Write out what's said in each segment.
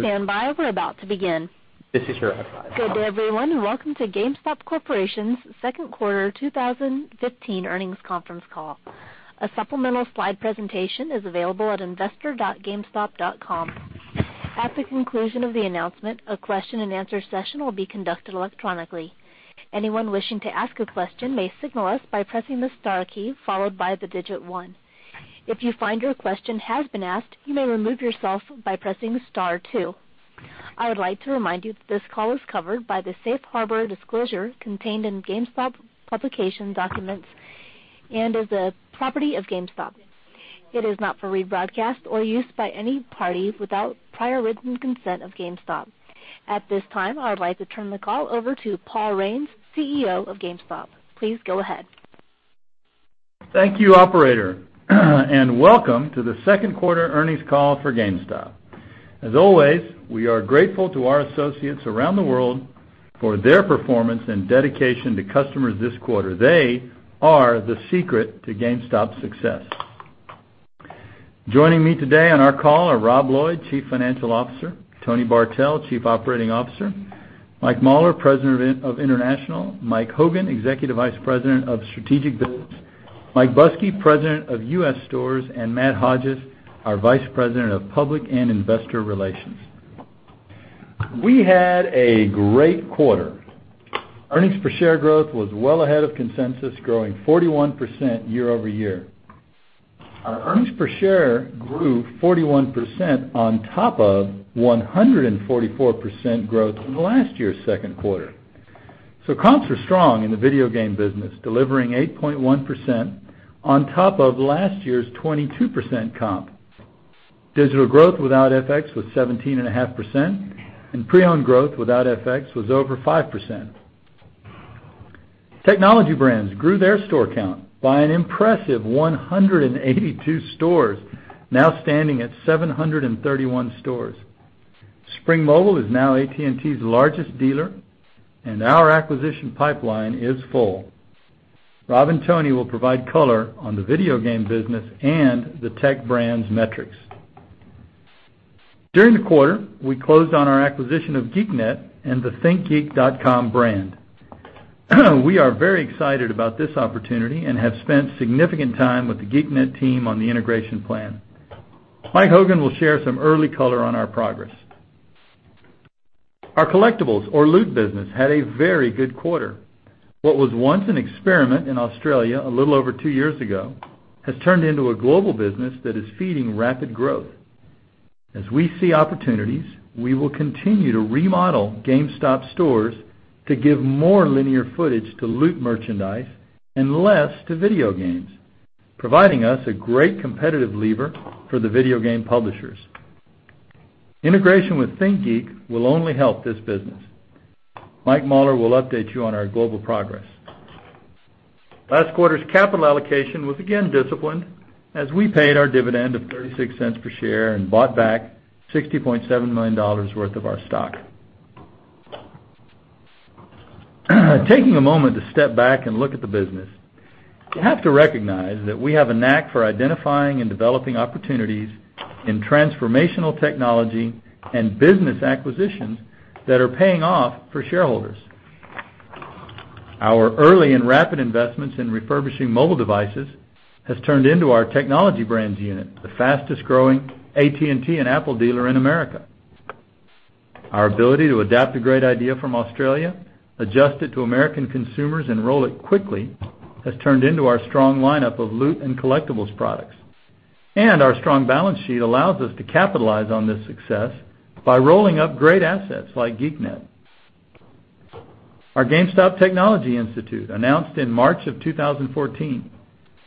Please stand by, we're about to begin. This is your operator. Good everyone, and welcome to GameStop Corporation's second quarter 2015 earnings conference call. A supplemental slide presentation is available at investor.gamestop.com. At the conclusion of the announcement, a question and answer session will be conducted electronically. Anyone wishing to ask a question may signal us by pressing the star key followed by the digit 1. If you find your question has been asked, you may remove yourself by pressing star 2. I would like to remind you that this call is covered by the Safe Harbor disclosure contained in GameStop publication documents and is a property of GameStop. It is not for rebroadcast or use by any party without prior written consent of GameStop. At this time, I would like to turn the call over to Paul Raines, CEO of GameStop. Please go ahead. Thank you, operator, and welcome to the second quarter earnings call for GameStop. As always, we are grateful to our associates around the world for their performance and dedication to customers this quarter. They are the secret to GameStop's success. Joining me today on our call are Robert Lloyd, Chief Financial Officer, Tony Bartel, Chief Operating Officer, Michael Mauler, President of International, Michael Hogan, Executive Vice President of Strategic Business, Mike Buskey, President of US Stores, and Matt Hodges, our Vice President of Public and Investor Relations. We had a great quarter. Earnings per share growth was well ahead of consensus, growing 41% year-over-year. Our earnings per share grew 41% on top of 144% growth from last year's second quarter. Comps were strong in the video game business, delivering 8.1% on top of last year's 22% comp. Digital growth without FX was 17.5%, and pre-owned growth without FX was over 5%. Technology Brands grew their store count by an impressive 182 stores, now standing at 731 stores. Spring Mobile is now AT&T's largest dealer, and our acquisition pipeline is full. Rob and Tony will provide color on the video game business and the Technology Brands metrics. During the quarter, we closed on our acquisition of Geeknet and the thinkgeek.com brand. We are very excited about this opportunity and have spent significant time with the Geeknet team on the integration plan. Michael Hogan will share some early color on our progress. Our collectibles or loot business had a very good quarter. What was once an experiment in Australia a little over two years ago, has turned into a global business that is feeding rapid growth. As we see opportunities, we will continue to remodel GameStop stores to give more linear footage to loot merchandise and less to video games, providing us a great competitive lever for the video game publishers. Integration with ThinkGeek will only help this business. Michael Mauler will update you on our global progress. Last quarter's capital allocation was again disciplined as we paid our dividend of $0.36 per share and bought back $60.7 million worth of our stock. Taking a moment to step back and look at the business, you have to recognize that we have a knack for identifying and developing opportunities in transformational technology and business acquisitions that are paying off for shareholders. Our early and rapid investments in refurbishing mobile devices has turned into our Technology Brands unit, the fastest growing AT&T and Apple dealer in America. Our ability to adapt a great idea from Australia, adjust it to American consumers and roll it quickly, has turned into our strong lineup of loot and collectibles products. Our strong balance sheet allows us to capitalize on this success by rolling up great assets like Geeknet. Our GameStop Technology Institute, announced in March of 2014,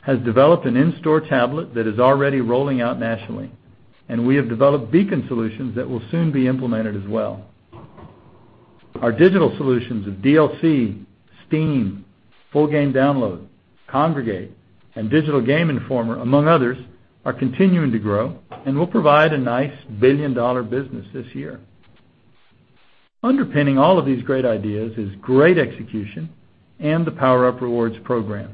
has developed an in-store tablet that is already rolling out nationally, and we have developed beacon solutions that will soon be implemented as well. Our digital solutions of DLC, Steam, Full Game Download, Kongregate, and Digital Game Informer, among others, are continuing to grow and will provide a nice billion-dollar business this year. Underpinning all of these great ideas is great execution and the PowerUp Rewards program.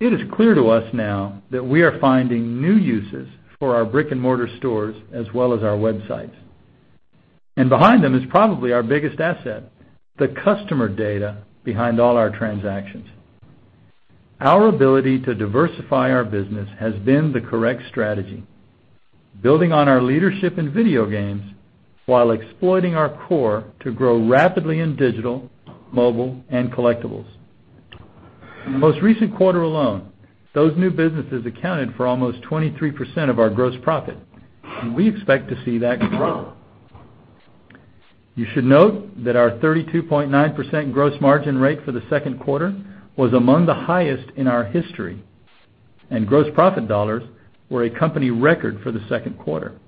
It is clear to us now that we are finding new uses for our brick-and-mortar stores as well as our websites. Behind them is probably our biggest asset, the customer data behind all our transactions. Our ability to diversify our business has been the correct strategy. Building on our leadership in video games while exploiting our core to grow rapidly in digital, mobile, and collectibles. In the most recent quarter alone, those new businesses accounted for almost 23% of our gross profit, and we expect to see that grow. You should note that our 32.9% gross margin rate for the second quarter was among the highest in our history, and gross profit dollars were a company record for the second quarter.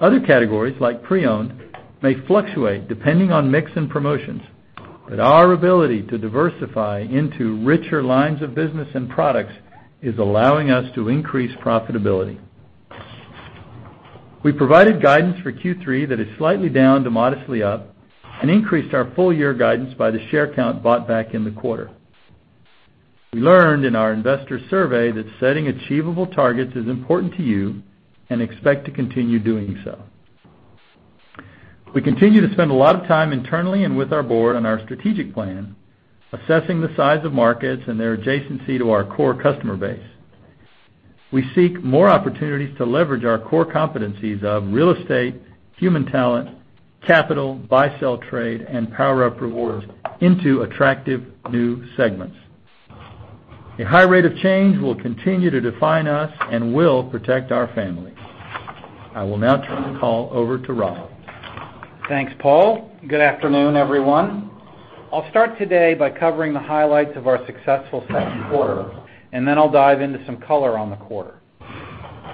Other categories, like pre-owned, may fluctuate depending on mix and promotions, but our ability to diversify into richer lines of business and products is allowing us to increase profitability. We provided guidance for Q3 that is slightly down to modestly up and increased our full year guidance by the share count bought back in the quarter. We learned in our investor survey that setting achievable targets is important to you and expect to continue doing so. We continue to spend a lot of time internally and with our board on our strategic plan, assessing the size of markets and their adjacency to our core customer base. We seek more opportunities to leverage our core competencies of real estate, human talent, capital, buy-sell trade, and PowerUp Rewards into attractive new segments. A high rate of change will continue to define us and will protect our family. I will now turn the call over to Rob. Thanks, Paul. Good afternoon, everyone. I'll start today by covering the highlights of our successful second quarter. Then I'll dive into some color on the quarter.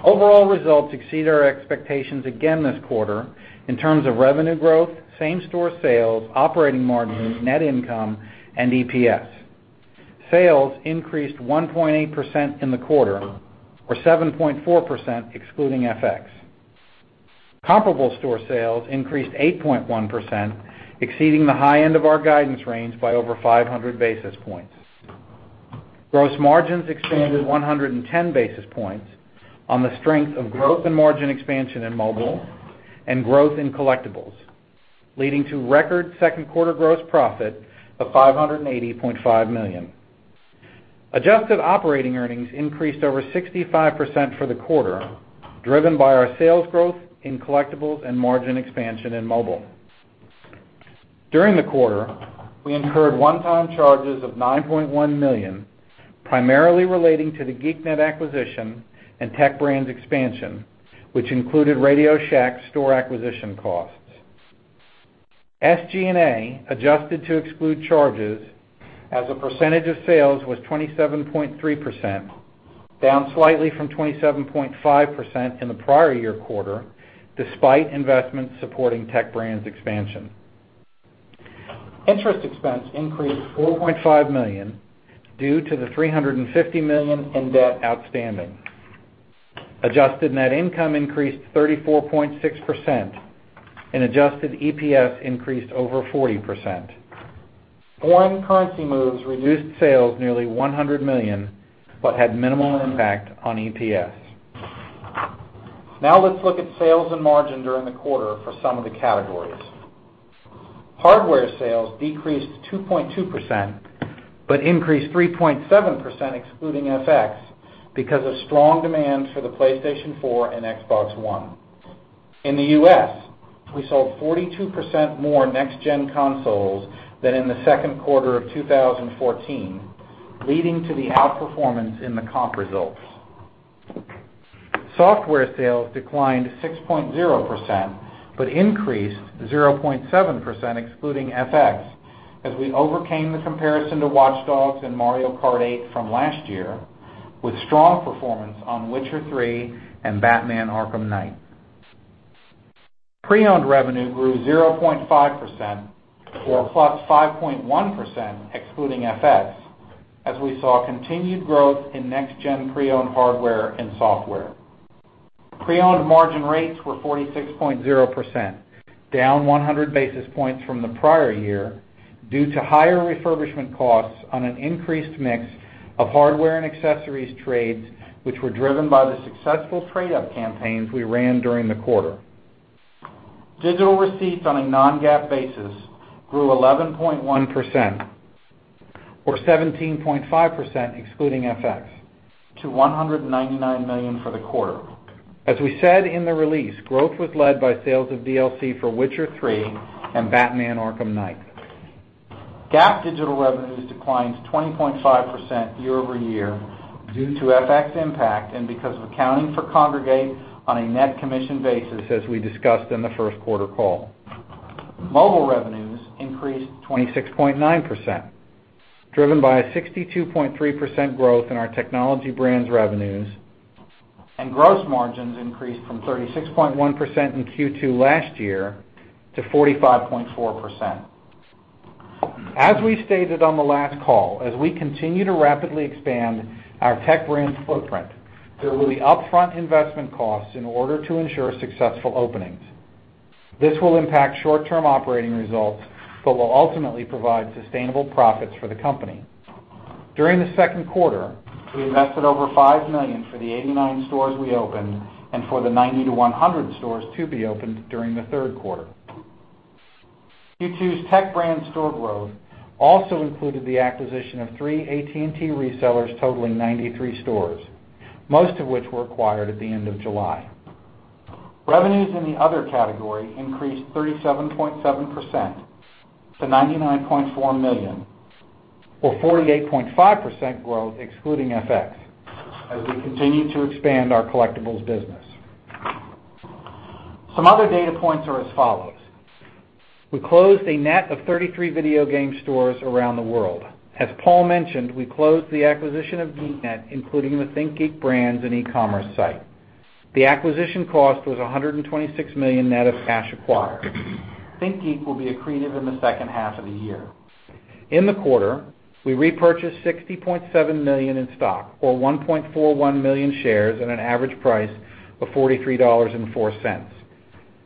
Overall results exceed our expectations again this quarter in terms of revenue growth, same-store sales, operating margins, net income and EPS. Sales increased 1.8% in the quarter or 7.4% excluding FX. Comparable store sales increased 8.1%, exceeding the high end of our guidance range by over 500 basis points. Gross margins expanded 110 basis points on the strength of growth and margin expansion in mobile and growth in collectibles, leading to record second quarter gross profit of $580.5 million. Adjusted operating earnings increased over 65% for the quarter, driven by our sales growth in collectibles and margin expansion in mobile. During the quarter, we incurred one-time charges of $9.1 million, primarily relating to the Geeknet acquisition and Tech Brands expansion, which included RadioShack store acquisition costs. SG&A adjusted to exclude charges as a percentage of sales was 27.3%, down slightly from 27.5% in the prior year quarter, despite investments supporting Tech Brands expansion. Interest expense increased $4.5 million due to the $350 million in debt outstanding. Adjusted net income increased 34.6%, and adjusted EPS increased over 40%. Foreign currency moves reduced sales nearly $100 million, but had minimal impact on EPS. Now let's look at sales and margin during the quarter for some of the categories. Hardware sales decreased 2.2%, but increased 3.7% excluding FX because of strong demand for the PlayStation 4 and Xbox One. In the U.S., we sold 42% more next gen consoles than in the second quarter of 2014, leading to the outperformance in the comp results. Software sales declined 6.0%, but increased 0.7% excluding FX as we overcame the comparison to Watch Dogs and Mario Kart 8 from last year with strong performance on Witcher 3 and Batman: Arkham Knight. Pre-owned revenue grew 0.5% or +5.1% excluding FX, as we saw continued growth in next gen pre-owned hardware and software. Pre-owned margin rates were 46.0%, down 100 basis points from the prior year due to higher refurbishment costs on an increased mix of hardware and accessories trades, which were driven by the successful trade-up campaigns we ran during the quarter. Digital receipts on a non-GAAP basis grew 11.1%, or 17.5% excluding FX to $199 million for the quarter. As we said in the release, growth was led by sales of DLC for Witcher 3 and Batman: Arkham Knight. GAAP digital revenues declined 20.5% year-over-year due to FX impact and because of accounting for Kongregate on a net commission basis as we discussed in the first quarter call. Mobile revenues increased 26.9%, driven by a 62.3% growth in our Technology Brands revenues and gross margins increased from 36.1% in Q2 last year to 45.4%. As we stated on the last call, as we continue to rapidly expand our Tech Brands footprint, there will be upfront investment costs in order to ensure successful openings. This will impact short-term operating results but will ultimately provide sustainable profits for the company. During the second quarter, we invested over $5 million for the 89 stores we opened and for the 90 to 100 stores to be opened during the third quarter. Q2's Tech Brand store growth also included the acquisition of three AT&T resellers totaling 93 stores, most of which were acquired at the end of July. Revenues in the other category increased 37.7% to $99.4 million or 48.5% growth excluding FX as we continue to expand our collectibles business. Some other data points are as follows: We closed a net of 33 video game stores around the world. As Paul mentioned, we closed the acquisition of Geeknet, including the ThinkGeek brands and e-commerce site. The acquisition cost was $126 million net of cash acquired. ThinkGeek will be accretive in the second half of the year. In the quarter, we repurchased $60.7 million in stock or 1.41 million shares at an average price of $43.4.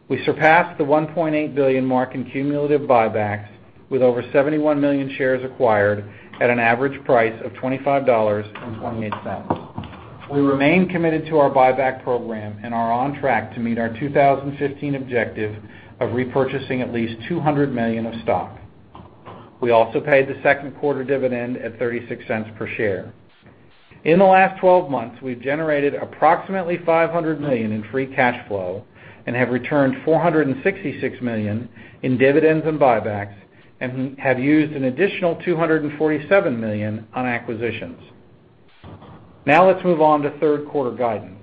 We surpassed the $1.8 billion mark in cumulative buybacks with over 71 million shares acquired at an average price of $25.28. We remain committed to our buyback program and are on track to meet our 2015 objective of repurchasing at least $200 million of stock. We also paid the second quarter dividend at $0.36 per share. In the last 12 months, we've generated approximately $500 million in free cash flow and have returned $466 million in dividends and buybacks and have used an additional $247 million on acquisitions. Let's move on to third quarter guidance.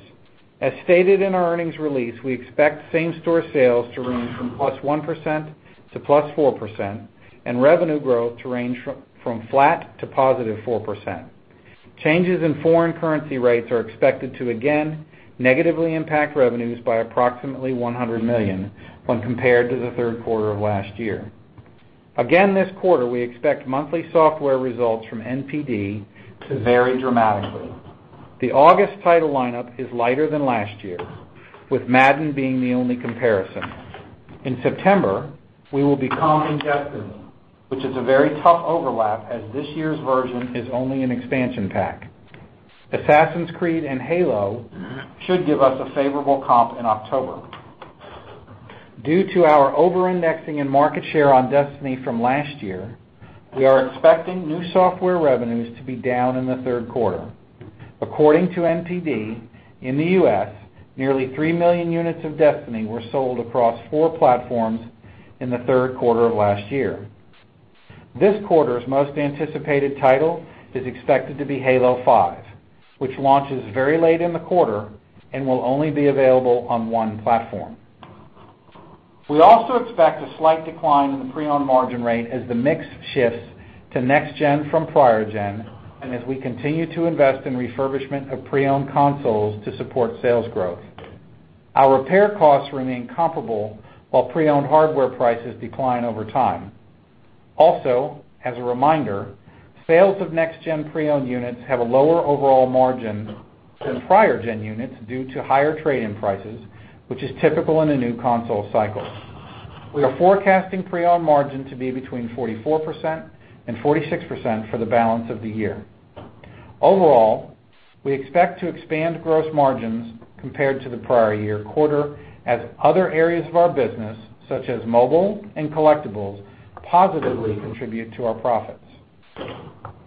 As stated in our earnings release, we expect same-store sales to range from +1% to +4% and revenue growth to range from flat to +4%. Changes in foreign currency rates are expected to again negatively impact revenues by approximately $100 million when compared to the third quarter of last year. Again, this quarter, we expect monthly software results from NPD to vary dramatically. The August title lineup is lighter than last year, with Madden being the only comparison. In September, we will be comping Destiny, which is a very tough overlap as this year's version is only an expansion pack. Assassin's Creed and Halo should give us a favorable comp in October. Due to our over-indexing and market share on Destiny from last year, we are expecting new software revenues to be down in the third quarter. According to NPD, in the U.S., nearly three million units of Destiny were sold across four platforms in the third quarter of last year. This quarter's most anticipated title is expected to be Halo 5, which launches very late in the quarter and will only be available on one platform. We also expect a slight decline in the pre-owned margin rate as the mix shifts to next-gen from prior-gen and as we continue to invest in refurbishment of pre-owned consoles to support sales growth. Our repair costs remain comparable while pre-owned hardware prices decline over time. Also, as a reminder, sales of next-gen pre-owned units have a lower overall margin than prior-gen units due to higher trade-in prices, which is typical in a new console cycle. We are forecasting pre-owned margin to be between 44%-46% for the balance of the year. Overall, we expect to expand gross margins compared to the prior year quarter as other areas of our business, such as mobile and collectibles, positively contribute to our profits.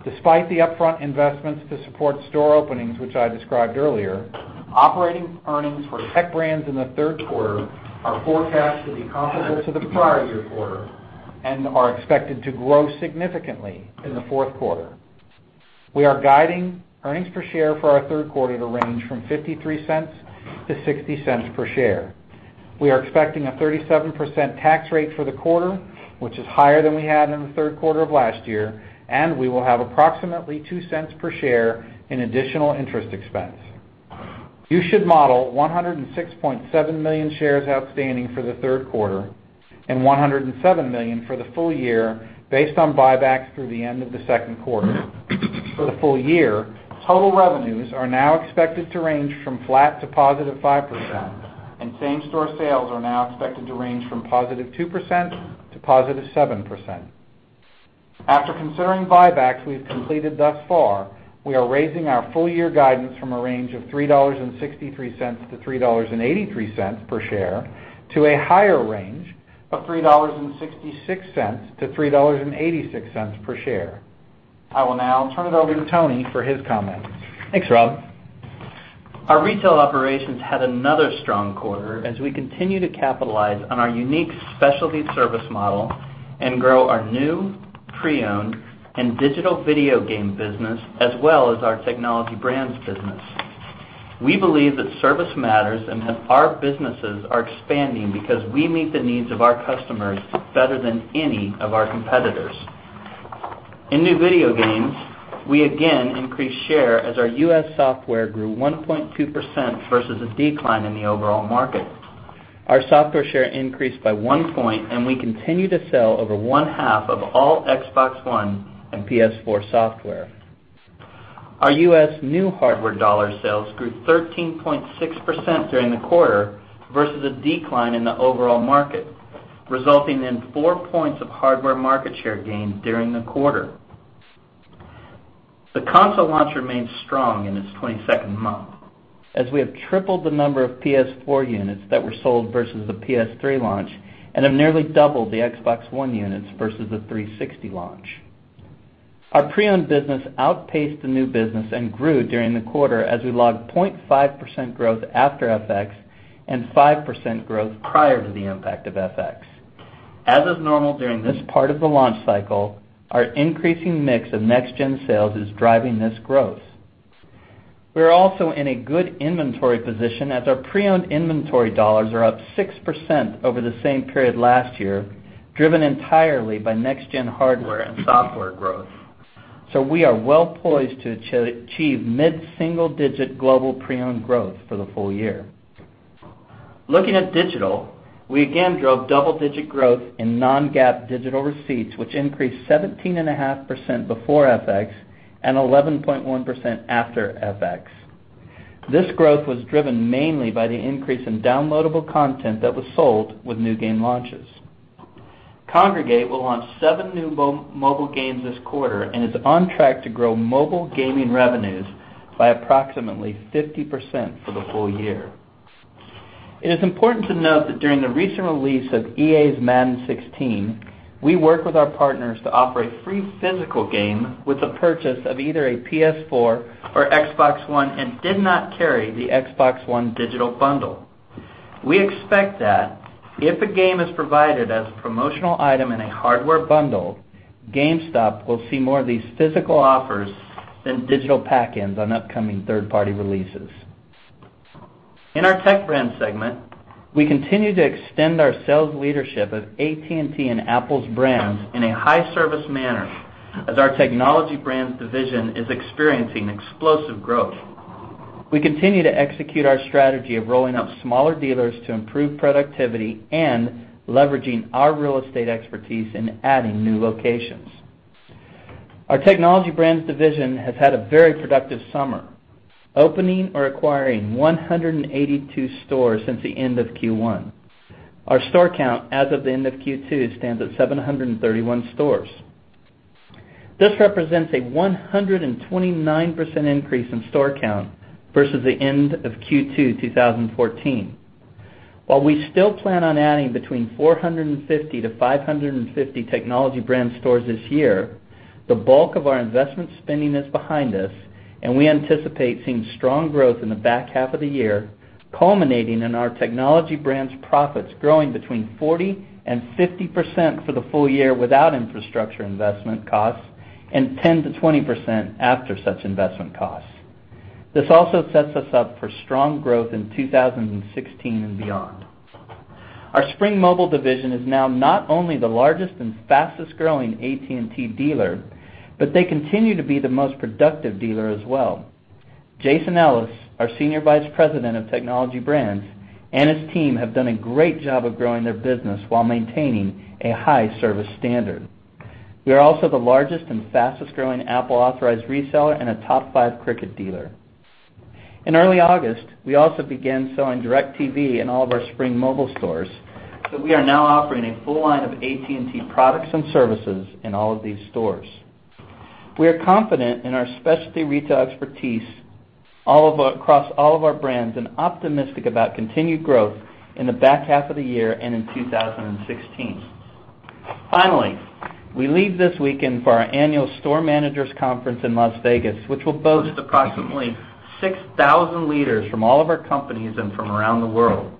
Despite the upfront investments to support store openings, which I described earlier, operating earnings for Technology Brands in the third quarter are forecast to be comparable to the prior year quarter and are expected to grow significantly in the fourth quarter. We are guiding earnings per share for our third quarter to range from $0.53-$0.60 per share. We are expecting a 37% tax rate for the quarter, which is higher than we had in the third quarter of last year. We will have approximately $0.02 per share in additional interest expense. You should model 106.7 million shares outstanding for the third quarter and 107 million for the full year based on buybacks through the end of the second quarter. For the full year, total revenues are now expected to range from flat to +5%, and same-store sales are now expected to range from +2% to +7%. After considering buybacks we've completed thus far, we are raising our full year guidance from a range of $3.63-$3.83 per share to a higher range of $3.66-$3.86 per share. I will now turn it over to Tony for his comments. Thanks, Rob. Our retail operations had another strong quarter as we continue to capitalize on our unique specialty service model and grow our new pre-owned and digital video game business, as well as our Technology Brands business. We believe that service matters and that our businesses are expanding because we meet the needs of our customers better than any of our competitors. In new video games, we again increased share as our U.S. software grew 1.2% versus a decline in the overall market. Our software share increased by one point, and we continue to sell over one-half of all Xbox One and PS4 software. Our U.S. new hardware dollar sales grew 13.6% during the quarter versus a decline in the overall market, resulting in four points of hardware market share gain during the quarter. The console launch remains strong in its 22nd month, as we have tripled the number of PS4 units that were sold versus the PS3 launch and have nearly doubled the Xbox One units versus the 360 launch. Our pre-owned business outpaced the new business and grew during the quarter as we logged 0.5% growth after FX and 5% growth prior to the impact of FX. As is normal during this part of the launch cycle, our increasing mix of next-gen sales is driving this growth. We are also in a good inventory position as our pre-owned inventory dollars are up 6% over the same period last year, driven entirely by next-gen hardware and software growth. We are well-poised to achieve mid-single-digit global pre-owned growth for the full year. Looking at digital, we again drove double-digit growth in non-GAAP digital receipts, which increased 17.5% before FX and 11.1% after FX. This growth was driven mainly by the increase in downloadable content that was sold with new game launches. Kongregate will launch seven new mobile games this quarter and is on track to grow mobile gaming revenues by approximately 50% for the full year. It is important to note that during the recent release of EA's "Madden 16," we worked with our partners to offer a free physical game with the purchase of either a PS4 or Xbox One and did not carry the Xbox One digital bundle. We expect that if a game is provided as a promotional item in a hardware bundle, GameStop will see more of these physical offers than digital pack-ins on upcoming third-party releases. In our TechBrand segment, we continue to extend our sales leadership of AT&T and Apple's brands in a high-service manner, as our Technology Brands division is experiencing explosive growth. We continue to execute our strategy of rolling out smaller dealers to improve productivity and leveraging our real estate expertise in adding new locations. Our Technology Brands division has had a very productive summer, opening or acquiring 182 stores since the end of Q1. Our store count as of the end of Q2 stands at 731 stores. This represents a 129% increase in store count versus the end of Q2 2014. While we still plan on adding between 450 to 550 Technology Brands stores this year, the bulk of our investment spending is behind us, and we anticipate seeing strong growth in the back half of the year, culminating in our Technology Brands profits growing between 40%-50% for the full year without infrastructure investment costs and 10%-20% after such investment costs. This also sets us up for strong growth in 2016 and beyond. Our Spring Mobile division is now not only the largest and fastest-growing AT&T dealer, but they continue to be the most productive dealer as well. Jason Ellis, our Senior Vice President of Technology Brands, and his team have done a great job of growing their business while maintaining a high service standard. We are also the largest and fastest-growing Apple authorized reseller and a top five Cricket dealer. In early August, we also began selling DirecTV in all of our Spring Mobile stores. We are now offering a full line of AT&T products and services in all of these stores. We are confident in our specialty retail expertise across all of our brands and optimistic about continued growth in the back half of the year and in 2016. We leave this weekend for our annual store managers conference in Las Vegas, which will boast approximately 6,000 leaders from all of our companies and from around the world.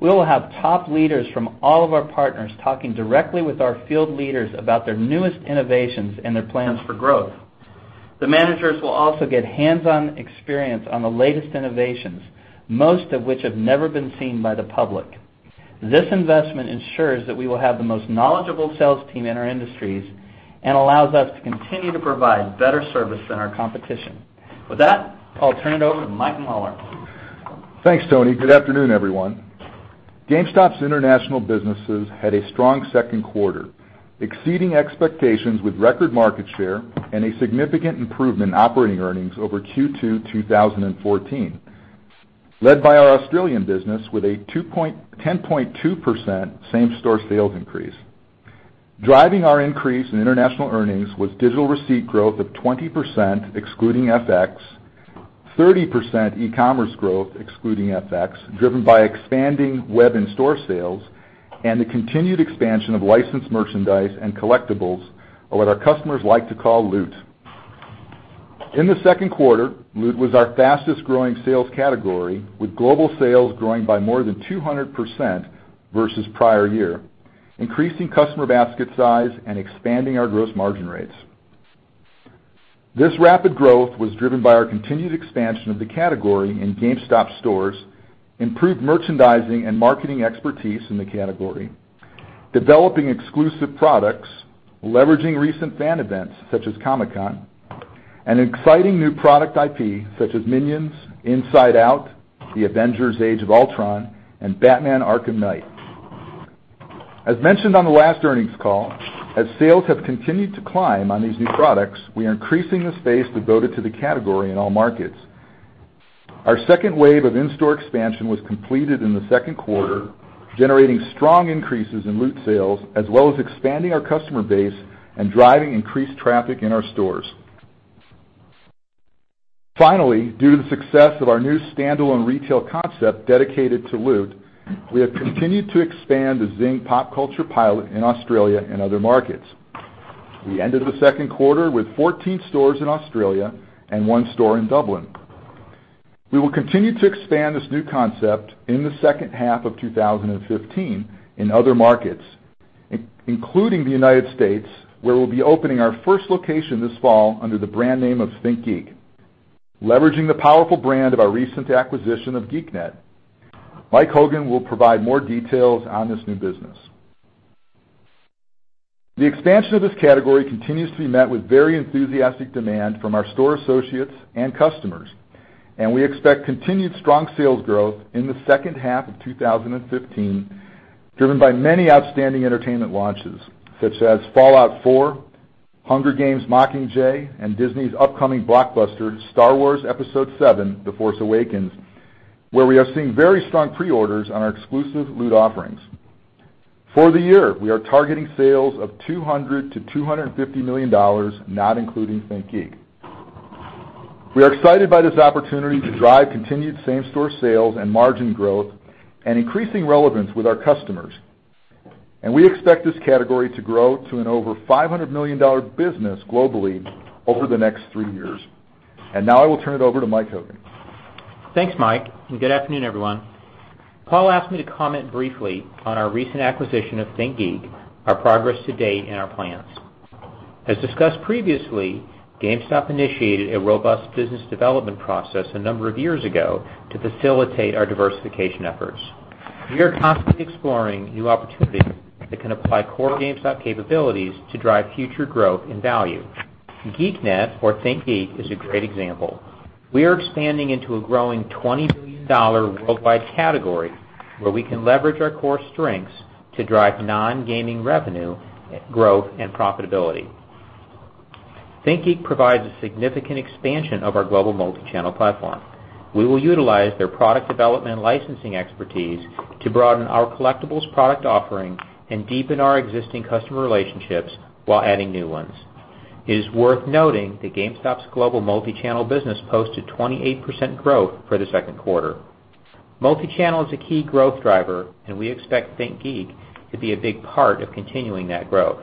We will have top leaders from all of our partners talking directly with our field leaders about their newest innovations and their plans for growth. The managers will also get hands-on experience on the latest innovations, most of which have never been seen by the public. This investment ensures that we will have the most knowledgeable sales team in our industries and allows us to continue to provide better service than our competition. With that, I'll turn it over to Mike Mauler. Thanks, Tony. Good afternoon, everyone. GameStop's international businesses had a strong second quarter, exceeding expectations with record market share and a significant improvement in operating earnings over Q2 2014, led by our Australian business with a 10.2% same-store sales increase. Driving our increase in international earnings was digital receipt growth of 20%, excluding FX, 30% e-commerce growth, excluding FX, driven by expanding web and store sales, and the continued expansion of licensed merchandise and collectibles or what our customers like to call Loot. In the second quarter, Loot was our fastest-growing sales category, with global sales growing by more than 200% versus prior year, increasing customer basket size and expanding our gross margin rates. This rapid growth was driven by our continued expansion of the category in GameStop stores, improved merchandising and marketing expertise in the category, developing exclusive products, leveraging recent fan events such as Comic-Con, and exciting new product IP such as Minions, Inside Out, The Avengers: Age of Ultron, and Batman: Arkham Knight. As mentioned on the last earnings call, as sales have continued to climb on these new products, we are increasing the space devoted to the category in all markets. Our second wave of in-store expansion was completed in the second quarter, generating strong increases in Loot sales, as well as expanding our customer base and driving increased traffic in our stores. Due to the success of our new standalone retail concept dedicated to Loot, we have continued to expand the Zing Pop Culture pilot in Australia and other markets. We ended the second quarter with 14 stores in Australia and one store in Dublin. We will continue to expand this new concept in the second half of 2015 in other markets, including the United States, where we'll be opening our first location this fall under the brand name of ThinkGeek, leveraging the powerful brand of our recent acquisition of Geeknet. Mike Hogan will provide more details on this new business. The expansion of this category continues to be met with very enthusiastic demand from our store associates and customers, and we expect continued strong sales growth in the second half of 2015, driven by many outstanding entertainment launches, such as Fallout 4 "Hunger Games: Mockingjay," and Disney's upcoming blockbuster, "Star Wars Episode VII - The Force Awakens," where we have seen very strong pre-orders on our exclusive Loot offerings. For the year, we are targeting sales of $200 million to $250 million, not including ThinkGeek. We are excited by this opportunity to drive continued same-store sales and margin growth, increasing relevance with our customers. We expect this category to grow to an over $500 million business globally over the next three years. Now I will turn it over to Mike Hogan. Thanks, Mike, and good afternoon, everyone. Paul asked me to comment briefly on our recent acquisition of ThinkGeek, our progress to date, and our plans. As discussed previously, GameStop initiated a robust business development process a number of years ago to facilitate our diversification efforts. We are constantly exploring new opportunities that can apply core GameStop capabilities to drive future growth and value. Geeknet, or ThinkGeek, is a great example. We are expanding into a growing $20 billion worldwide category, where we can leverage our core strengths to drive non-gaming revenue growth and profitability. ThinkGeek provides a significant expansion of our global multi-channel platform. We will utilize their product development licensing expertise to broaden our collectibles product offering and deepen our existing customer relationships while adding new ones. It is worth noting that GameStop's global multi-channel business posted 28% growth for the second quarter. Multi-channel is a key growth driver, we expect ThinkGeek to be a big part of continuing that growth.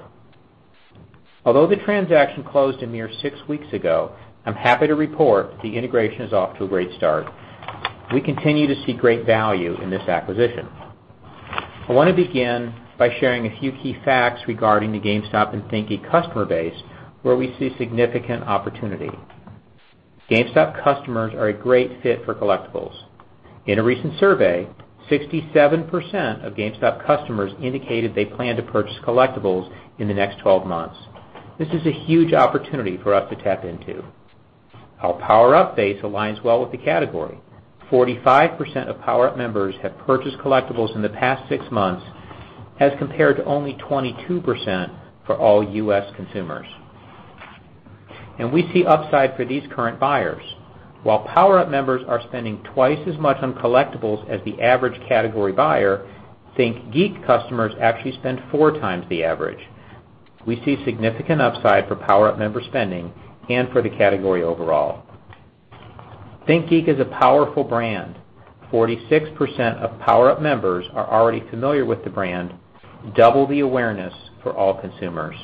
Although the transaction closed a mere six weeks ago, I'm happy to report the integration is off to a great start. We continue to see great value in this acquisition. I want to begin by sharing a few key facts regarding the GameStop and ThinkGeek customer base, where we see significant opportunity. GameStop customers are a great fit for collectibles. In a recent survey, 67% of GameStop customers indicated they plan to purchase collectibles in the next 12 months. This is a huge opportunity for us to tap into. Our PowerUp base aligns well with the category. 45% of PowerUp members have purchased collectibles in the past six months, as compared to only 22% for all U.S. consumers. We see upside for these current buyers. While PowerUp members are spending twice as much on collectibles as the average category buyer, ThinkGeek customers actually spend four times the average. We see significant upside for PowerUp member spending and for the category overall. ThinkGeek is a powerful brand. 46% of PowerUp members are already familiar with the brand, double the awareness for all consumers.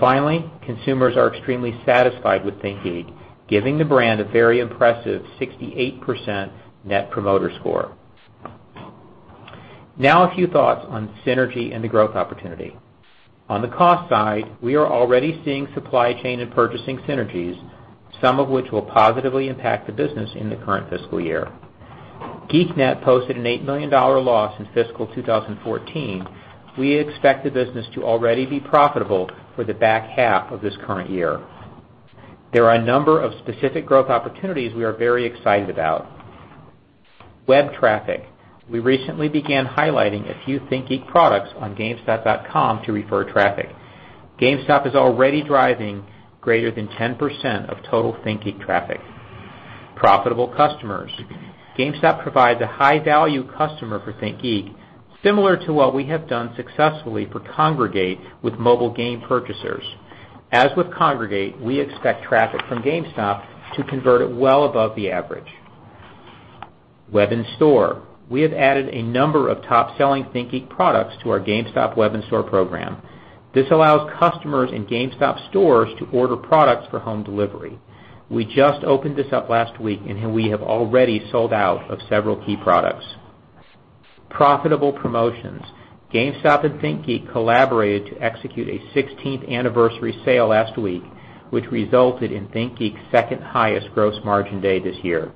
Finally, consumers are extremely satisfied with ThinkGeek, giving the brand a very impressive 68% net promoter score. Now a few thoughts on synergy and the growth opportunity. On the cost side, we are already seeing supply chain and purchasing synergies, some of which will positively impact the business in the current fiscal year. Geeknet posted an $8 million loss in fiscal 2014. We expect the business to already be profitable for the back half of this current year. There are a number of specific growth opportunities we are very excited about. Web traffic. We recently began highlighting a few ThinkGeek products on gamestop.com to refer traffic. GameStop is already driving greater than 10% of total ThinkGeek traffic. Profitable customers. GameStop provides a high-value customer for ThinkGeek, similar to what we have done successfully for Kongregate with mobile game purchasers. As with Kongregate, we expect traffic from GameStop to convert at well above the average. Web in store. We have added a number of top-selling ThinkGeek products to our GameStop web in-store program. This allows customers in GameStop stores to order products for home delivery. We just opened this up last week, and we have already sold out of several key products. Profitable promotions. GameStop and ThinkGeek collaborated to execute a 16th anniversary sale last week, which resulted in ThinkGeek's second highest gross margin day this year.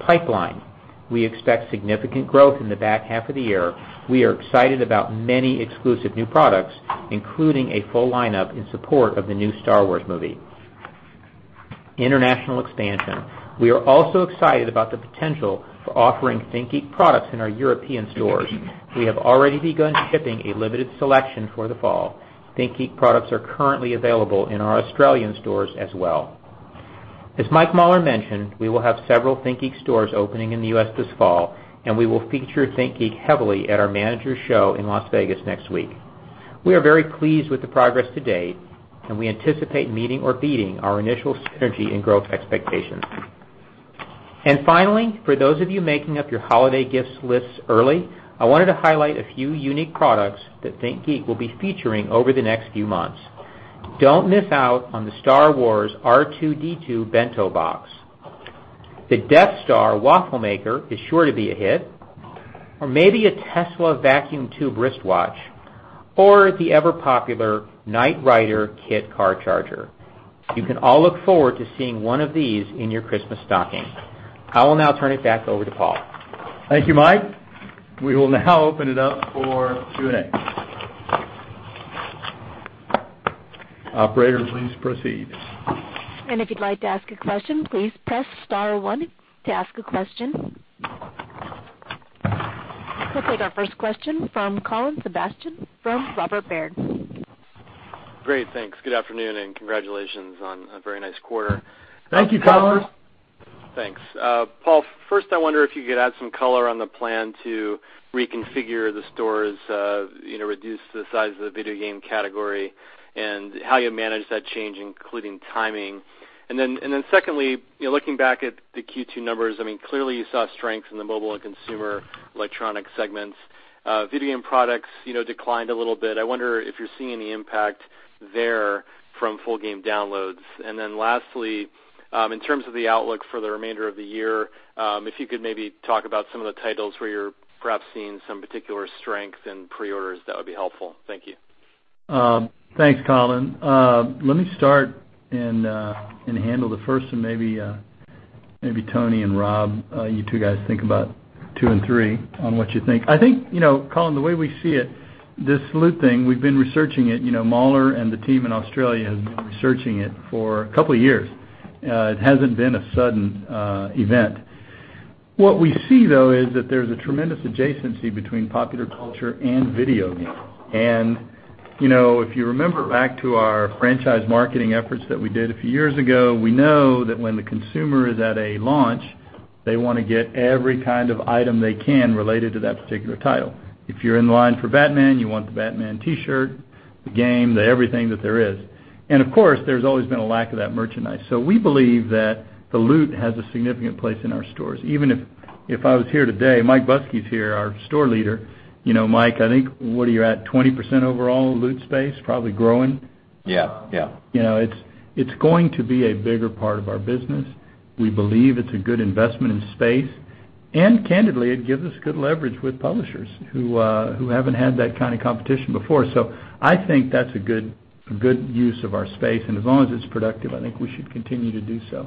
Pipeline. We expect significant growth in the back half of the year. We are excited about many exclusive new products, including a full lineup in support of the new "Star Wars" movie. International expansion. We are also excited about the potential for offering ThinkGeek products in our European stores. We have already begun shipping a limited selection for the fall. ThinkGeek products are currently available in our Australian stores as well. As Michael Mauler mentioned, we will have several ThinkGeek stores opening in the U.S. this fall, and we will feature ThinkGeek heavily at our manager's show in Las Vegas next week. We are very pleased with the progress to date, and we anticipate meeting or beating our initial synergy and growth expectations. Finally, for those of you making up your holiday gifts lists early, I wanted to highlight a few unique products that ThinkGeek will be featuring over the next few months. Don't miss out on the "Star Wars" R2-D2 bento box. The Death Star waffle maker is sure to be a hit. Maybe a Tesla vacuum tube wristwatch, or the ever-popular Knight Rider KITT car charger. You can all look forward to seeing one of these in your Christmas stocking. I will now turn it back over to Paul. Thank you, Mike. We will now open it up for Q&A. Operator, please proceed. If you'd like to ask a question, please press star one to ask a question. We'll take our first question from Colin Sebastian from Robert Baird. Great. Thanks. Good afternoon, and congratulations on a very nice quarter. Thank you, Colin. Thanks, Paul. First, I wonder if you could add some color on the plan to reconfigure the stores, reduce the size of the video game category, and how you manage that change, including timing. Secondly, looking back at the Q2 numbers, clearly you saw strength in the mobile and consumer electronics segments. Video game products declined a little bit. I wonder if you're seeing any impact there from Full Game Downloads. Lastly, in terms of the outlook for the remainder of the year, if you could maybe talk about some of the titles where you're perhaps seeing some particular strength and pre-orders, that would be helpful. Thank you. Thanks, Colin. Let me start and handle the first and maybe Tony and Rob, you 2 guys think about 2 and 3 on what you think. I think, Colin, the way we see it, this loot thing, we've been researching it. Mauler and the team in Australia has been researching it for a couple of years. It hasn't been a sudden event. What we see, though, is that there's a tremendous adjacency between popular culture and video games. If you remember back to our franchise marketing efforts that we did a few years ago, we know that when the consumer is at a launch, they want to get every kind of item they can related to that particular title. If you're in line for Batman, you want the Batman T-shirt, the game, the everything that there is. Of course, there's always been a lack of that merchandise. We believe that the loot has a significant place in our stores. Even if I was here today, Mike Buskey's here, our store leader. Mike, I think, what are you at, 20% overall loot space, probably growing? Yeah. It's going to be a bigger part of our business. We believe it's a good investment in space. Candidly, it gives us good leverage with publishers who haven't had that kind of competition before. I think that's a good use of our space, and as long as it's productive, I think we should continue to do so.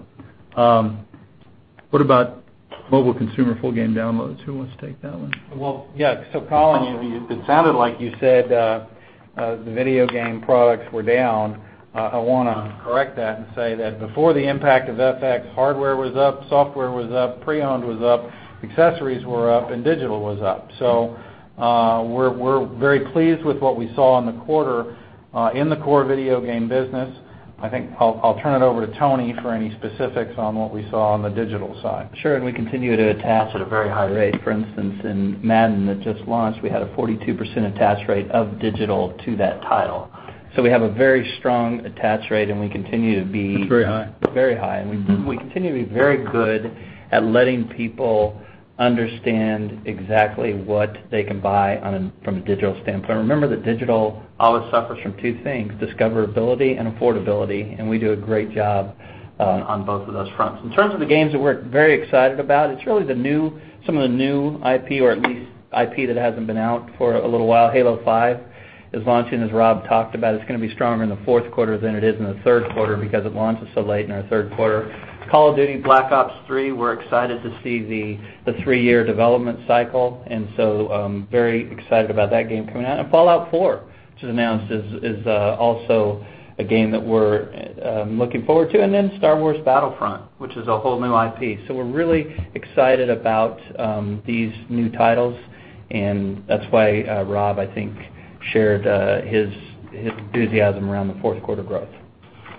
What about mobile consumer Full Game Downloads? Who wants to take that one? Well, yeah. Tony It sounded like you said the video game products were down. I want to correct that and say that before the impact of FX, hardware was up, software was up, pre-owned was up, accessories were up, and digital was up. We're very pleased with what we saw in the quarter, in the core video game business. I think I'll turn it over to Tony for any specifics on what we saw on the digital side. Sure, we continue to attach at a very high rate. For instance, in Madden that just launched, we had a 42% attach rate of digital to that title. We have a very strong attach rate. It's very high Very high. We continue to be very good at letting people understand exactly what they can buy from a digital standpoint. Remember that digital always suffers from two things, discoverability and affordability. We do a great job on both of those fronts. In terms of the games that we're very excited about, it's really some of the new IP or at least IP that hasn't been out for a little while. "Halo 5: Guardians" is launching, as Rob talked about. It's going to be stronger in the fourth quarter than it is in the third quarter because it launches so late in our third quarter. "Call of Duty: Black Ops III," we're excited to see the 3-year development cycle. Very excited about that game coming out. "Fallout 4," which was announced, is also a game that we're looking forward to. Star Wars Battlefront," which is a whole new IP. We're really excited about these new titles, and that's why Rob, I think, shared his enthusiasm around the fourth quarter growth.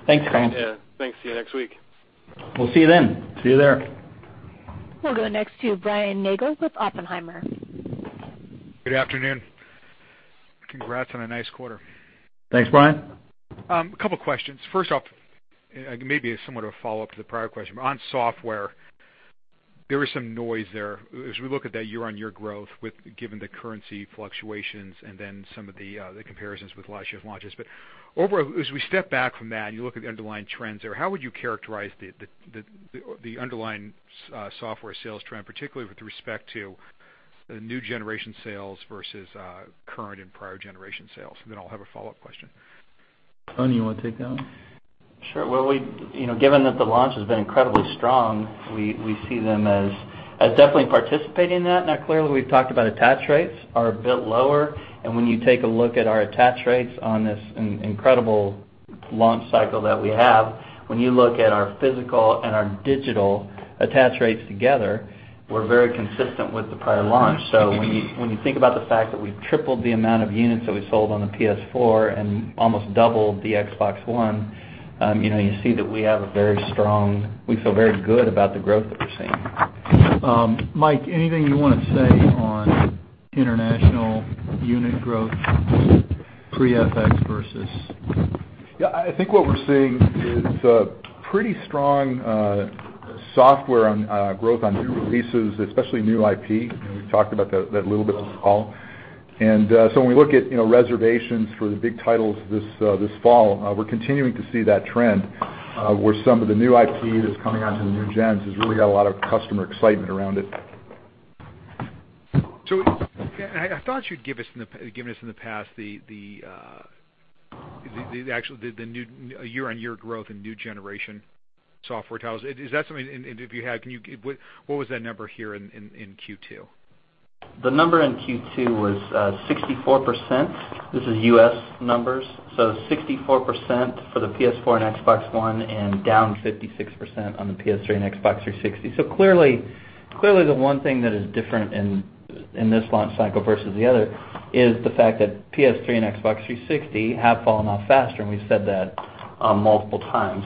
Thanks, Colin. Yeah. Thanks. See you next week. We'll see you then. See you there. We'll go next to Brian Nagel with Oppenheimer. Good afternoon. Congrats on a nice quarter. Thanks, Brian. A couple of questions. First off, maybe somewhat of a follow-up to the prior question, but on software, there was some noise there. As we look at that year-on-year growth, given the currency fluctuations and then some of the comparisons with last year's launches. Overall, as we step back from that and you look at the underlying trends there, how would you characterize the underlying software sales trend, particularly with respect to the new generation sales versus current and prior generation sales? I'll have a follow-up question. Tony, you want to take that one? Sure. Given that the launch has been incredibly strong, we see them as definitely participating in that. Clearly, we've talked about attach rates are a bit lower, when you take a look at our attach rates on this incredible launch cycle that we have, when you look at our physical and our digital attach rates together, we're very consistent with the prior launch. When you think about the fact that we've tripled the amount of units that we sold on the PS4 and almost doubled the Xbox One, you see that we have a very strong. We feel very good about the growth that we're seeing. Mike, anything you want to say on international unit growth pre-FX versus. Yeah, I think what we're seeing is pretty strong software growth on new releases, especially new IP. We talked about that a little bit this call. When we look at reservations for the big titles this fall, we're continuing to see that trend, where some of the new IP that's coming onto the new gens has really got a lot of customer excitement around it. I thought you'd given us in the past the actual year-on-year growth in new generation software titles. Is that something, and if you have, what was that number here in Q2? The number in Q2 was 64%. This is U.S. numbers, 64% for the PS4 and Xbox One and down 56% on the PS3 and Xbox 360. clearly Clearly, the one thing that is different in this launch cycle versus the other is the fact that PS3 and Xbox 360 have fallen off faster, and we've said that multiple times.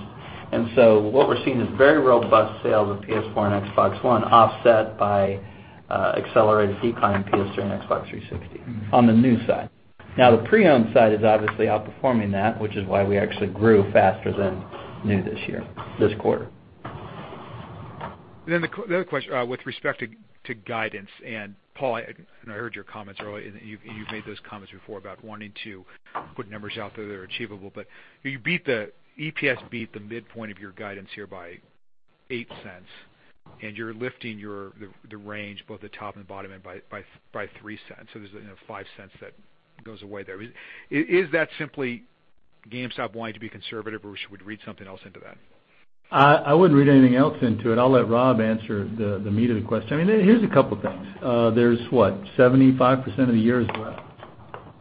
What we're seeing is very robust sales of PS4 and Xbox One offset by accelerated decline in PS3 and Xbox 360 on the new side. Now, the pre-owned side is obviously outperforming that, which is why we actually grew faster than new this year, this quarter. The other question with respect to guidance, and Paul, I heard your comments earlier, and you've made those comments before about wanting to put numbers out there that are achievable. You beat the EPS, beat the midpoint of your guidance here by $0.08, and you're lifting the range, both the top and the bottom end, by $0.03. There's $0.05 that goes away there. Is that simply GameStop wanting to be conservative, or we should read something else into that? I wouldn't read anything else into it. I'll let Rob answer the meat of the question. Here's a couple of things. There's what, 75% of the year is left.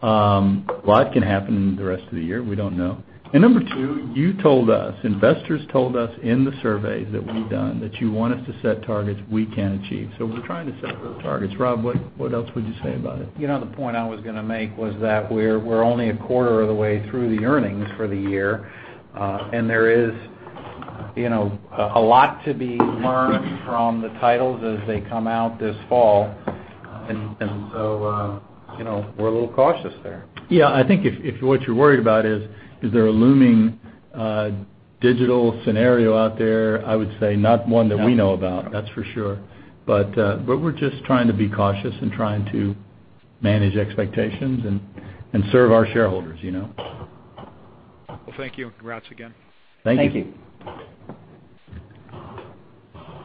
A lot can happen in the rest of the year. We don't know. Number 2, you told us, investors told us in the surveys that we've done that you want us to set targets we can achieve. We're trying to set real targets. Rob, what else would you say about it? The point I was going to make was that we're only a quarter of the way through the earnings for the year, and there is a lot to be learned from the titles as they come out this fall. We're a little cautious there. Yeah, I think if what you're worried about is there a looming digital scenario out there, I would say not one that we know about. No. That's for sure. We're just trying to be cautious and trying to manage expectations and serve our shareholders. Well, thank you. Congrats again. Thank you. Thank you.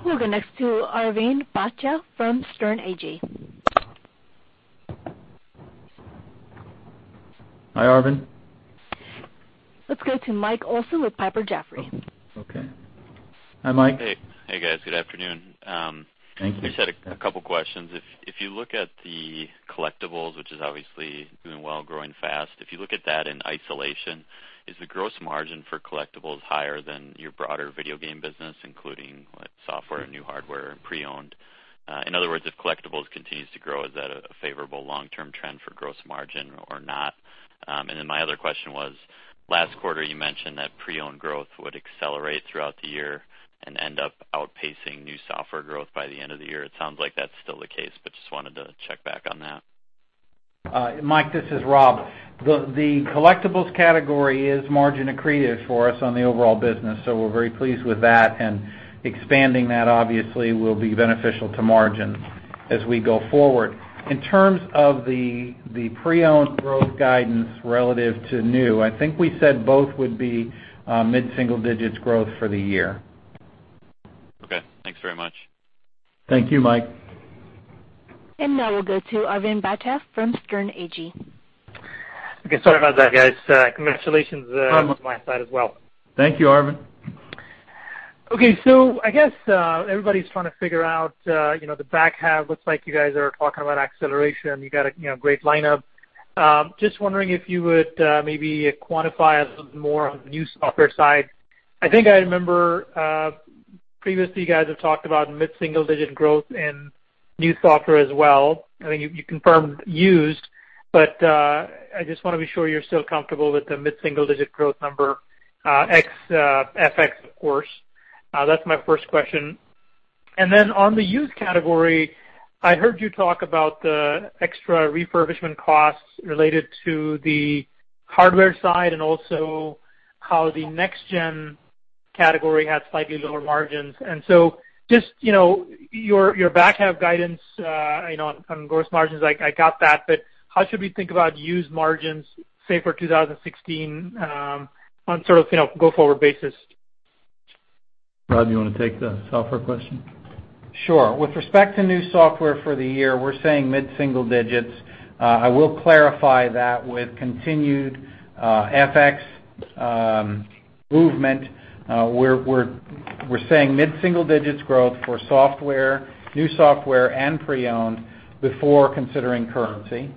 We'll go next to Arvind Bhatia from Sterne Agee. Hi, Arvind. Let's go to Mike Olson with Piper Jaffray. Okay. Hi, Mike. Hey, guys. Good afternoon. Thank you. I just had a couple questions. If you look at the collectibles, which is obviously doing well, growing fast, if you look at that in isolation, is the gross margin for collectibles higher than your broader video game business, including software, new hardware, and pre-owned? In other words, if collectibles continues to grow, is that a favorable long-term trend for gross margin or not? My other question was, last quarter, you mentioned that pre-owned growth would accelerate throughout the year and end up outpacing new software growth by the end of the year. It sounds like that's still the case, but just wanted to check back on that. Mike, this is Rob. The collectibles category is margin accretive for us on the overall business, so we're very pleased with that, and expanding that obviously will be beneficial to margin as we go forward. In terms of the pre-owned growth guidance relative to new, I think we said both would be mid-single digits growth for the year. Okay. Thanks very much. Thank you, Mike. Now we'll go to Arvind Bhatia from Sterne Agee. Okay. Sorry about that, guys. Congratulations from my side as well. Thank you, Arvind. Okay, I guess everybody's trying to figure out the back half looks like you guys are talking about acceleration. You got a great lineup. Just wondering if you would maybe quantify a little more on the new software side. I think I remember previously you guys have talked about mid-single-digit growth in new software as well. You confirmed used, but I just want to be sure you're still comfortable with the mid-single-digit growth number, ex-FX, of course. That's my first question. On the used category, I heard you talk about the extra refurbishment costs related to the hardware side and also how the next-gen category had slightly lower margins. Just your back-half guidance on gross margins, I got that, but how should we think about used margins, say, for 2016, on a go forward basis? Rob, you want to take the software question? Sure. With respect to new software for the year, we're saying mid-single-digits. I will clarify that with continued FX movement, we're saying mid-single-digit growth for software, new software, and pre-owned before considering currency.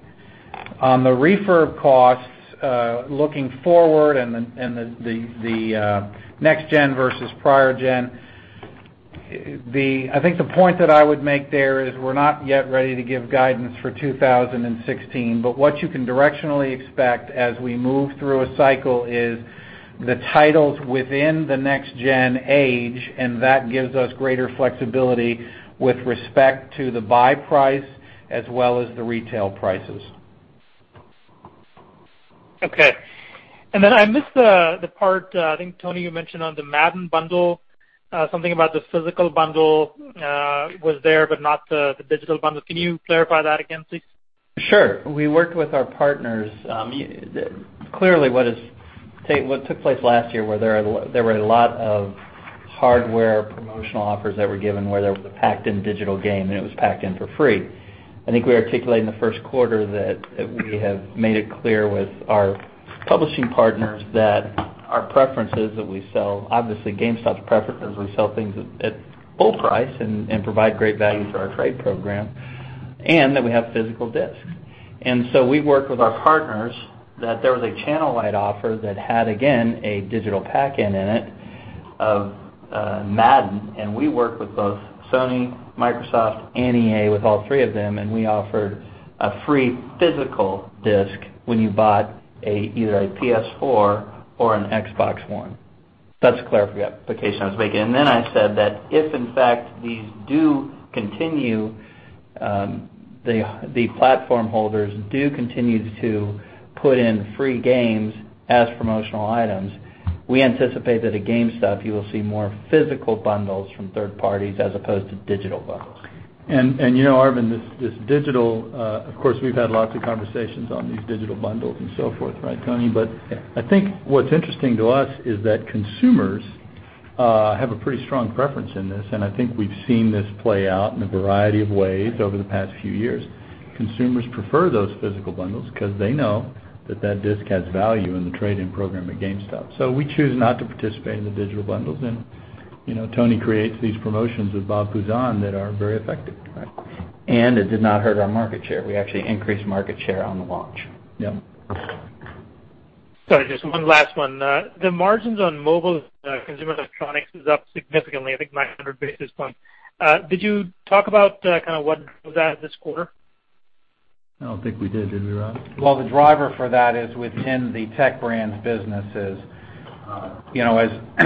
On the refurb costs, looking forward and the next-gen versus prior-gen, I think the point that I would make there is we're not yet ready to give guidance for 2016, but what you can directionally expect as we move through a cycle is the titles within the next-gen age, and that gives us greater flexibility with respect to the buy price as well as the retail prices. Okay. I missed the part, I think, Tony, you mentioned on the Madden bundle, something about the physical bundle was there, but not the digital bundle. Can you clarify that again, please? Sure. We worked with our partners. Clearly, what took place last year where there were a lot of hardware promotional offers that were given where there was a packed in digital game, and it was packed in for free. I think we articulated in the first quarter that we have made it clear with our publishing partners that our preference is that we sell, obviously, GameStop's preference is we sell things at full price and provide great value for our trade program. That we have physical disks. So we worked with our partners, that there was a channel-wide offer that had, again, a digital pack-in in it of Madden, and we worked with both Sony, Microsoft, and EA, with all three of them, and we offered a free physical disk when you bought either a PS4 or an Xbox One. That's the clarification I was making. Then I said that if, in fact, these do continue, the platform holders do continue to put in free games as promotional items, we anticipate that at GameStop, you will see more physical bundles from third parties as opposed to digital bundles. Arvind, this digital, of course, we've had lots of conversations on these digital bundles and so forth, right, Tony? Yeah I think what's interesting to us is that consumers have a pretty strong preference in this, and I think we've seen this play out in a variety of ways over the past few years. Consumers prefer those physical bundles because they know that that disk has value in the trade-in program at GameStop. We choose not to participate in the digital bundles, and Tony creates these promotions with Bob Puzon that are very effective. It did not hurt our market share. We actually increased market share on the launch. Yeah. Sorry, just one last one. The margins on mobile consumer electronics is up significantly, I think 900 basis points. Did you talk about what was that this quarter? I don't think we did we, Rob? Well, the driver for that is within the Technology Brands businesses.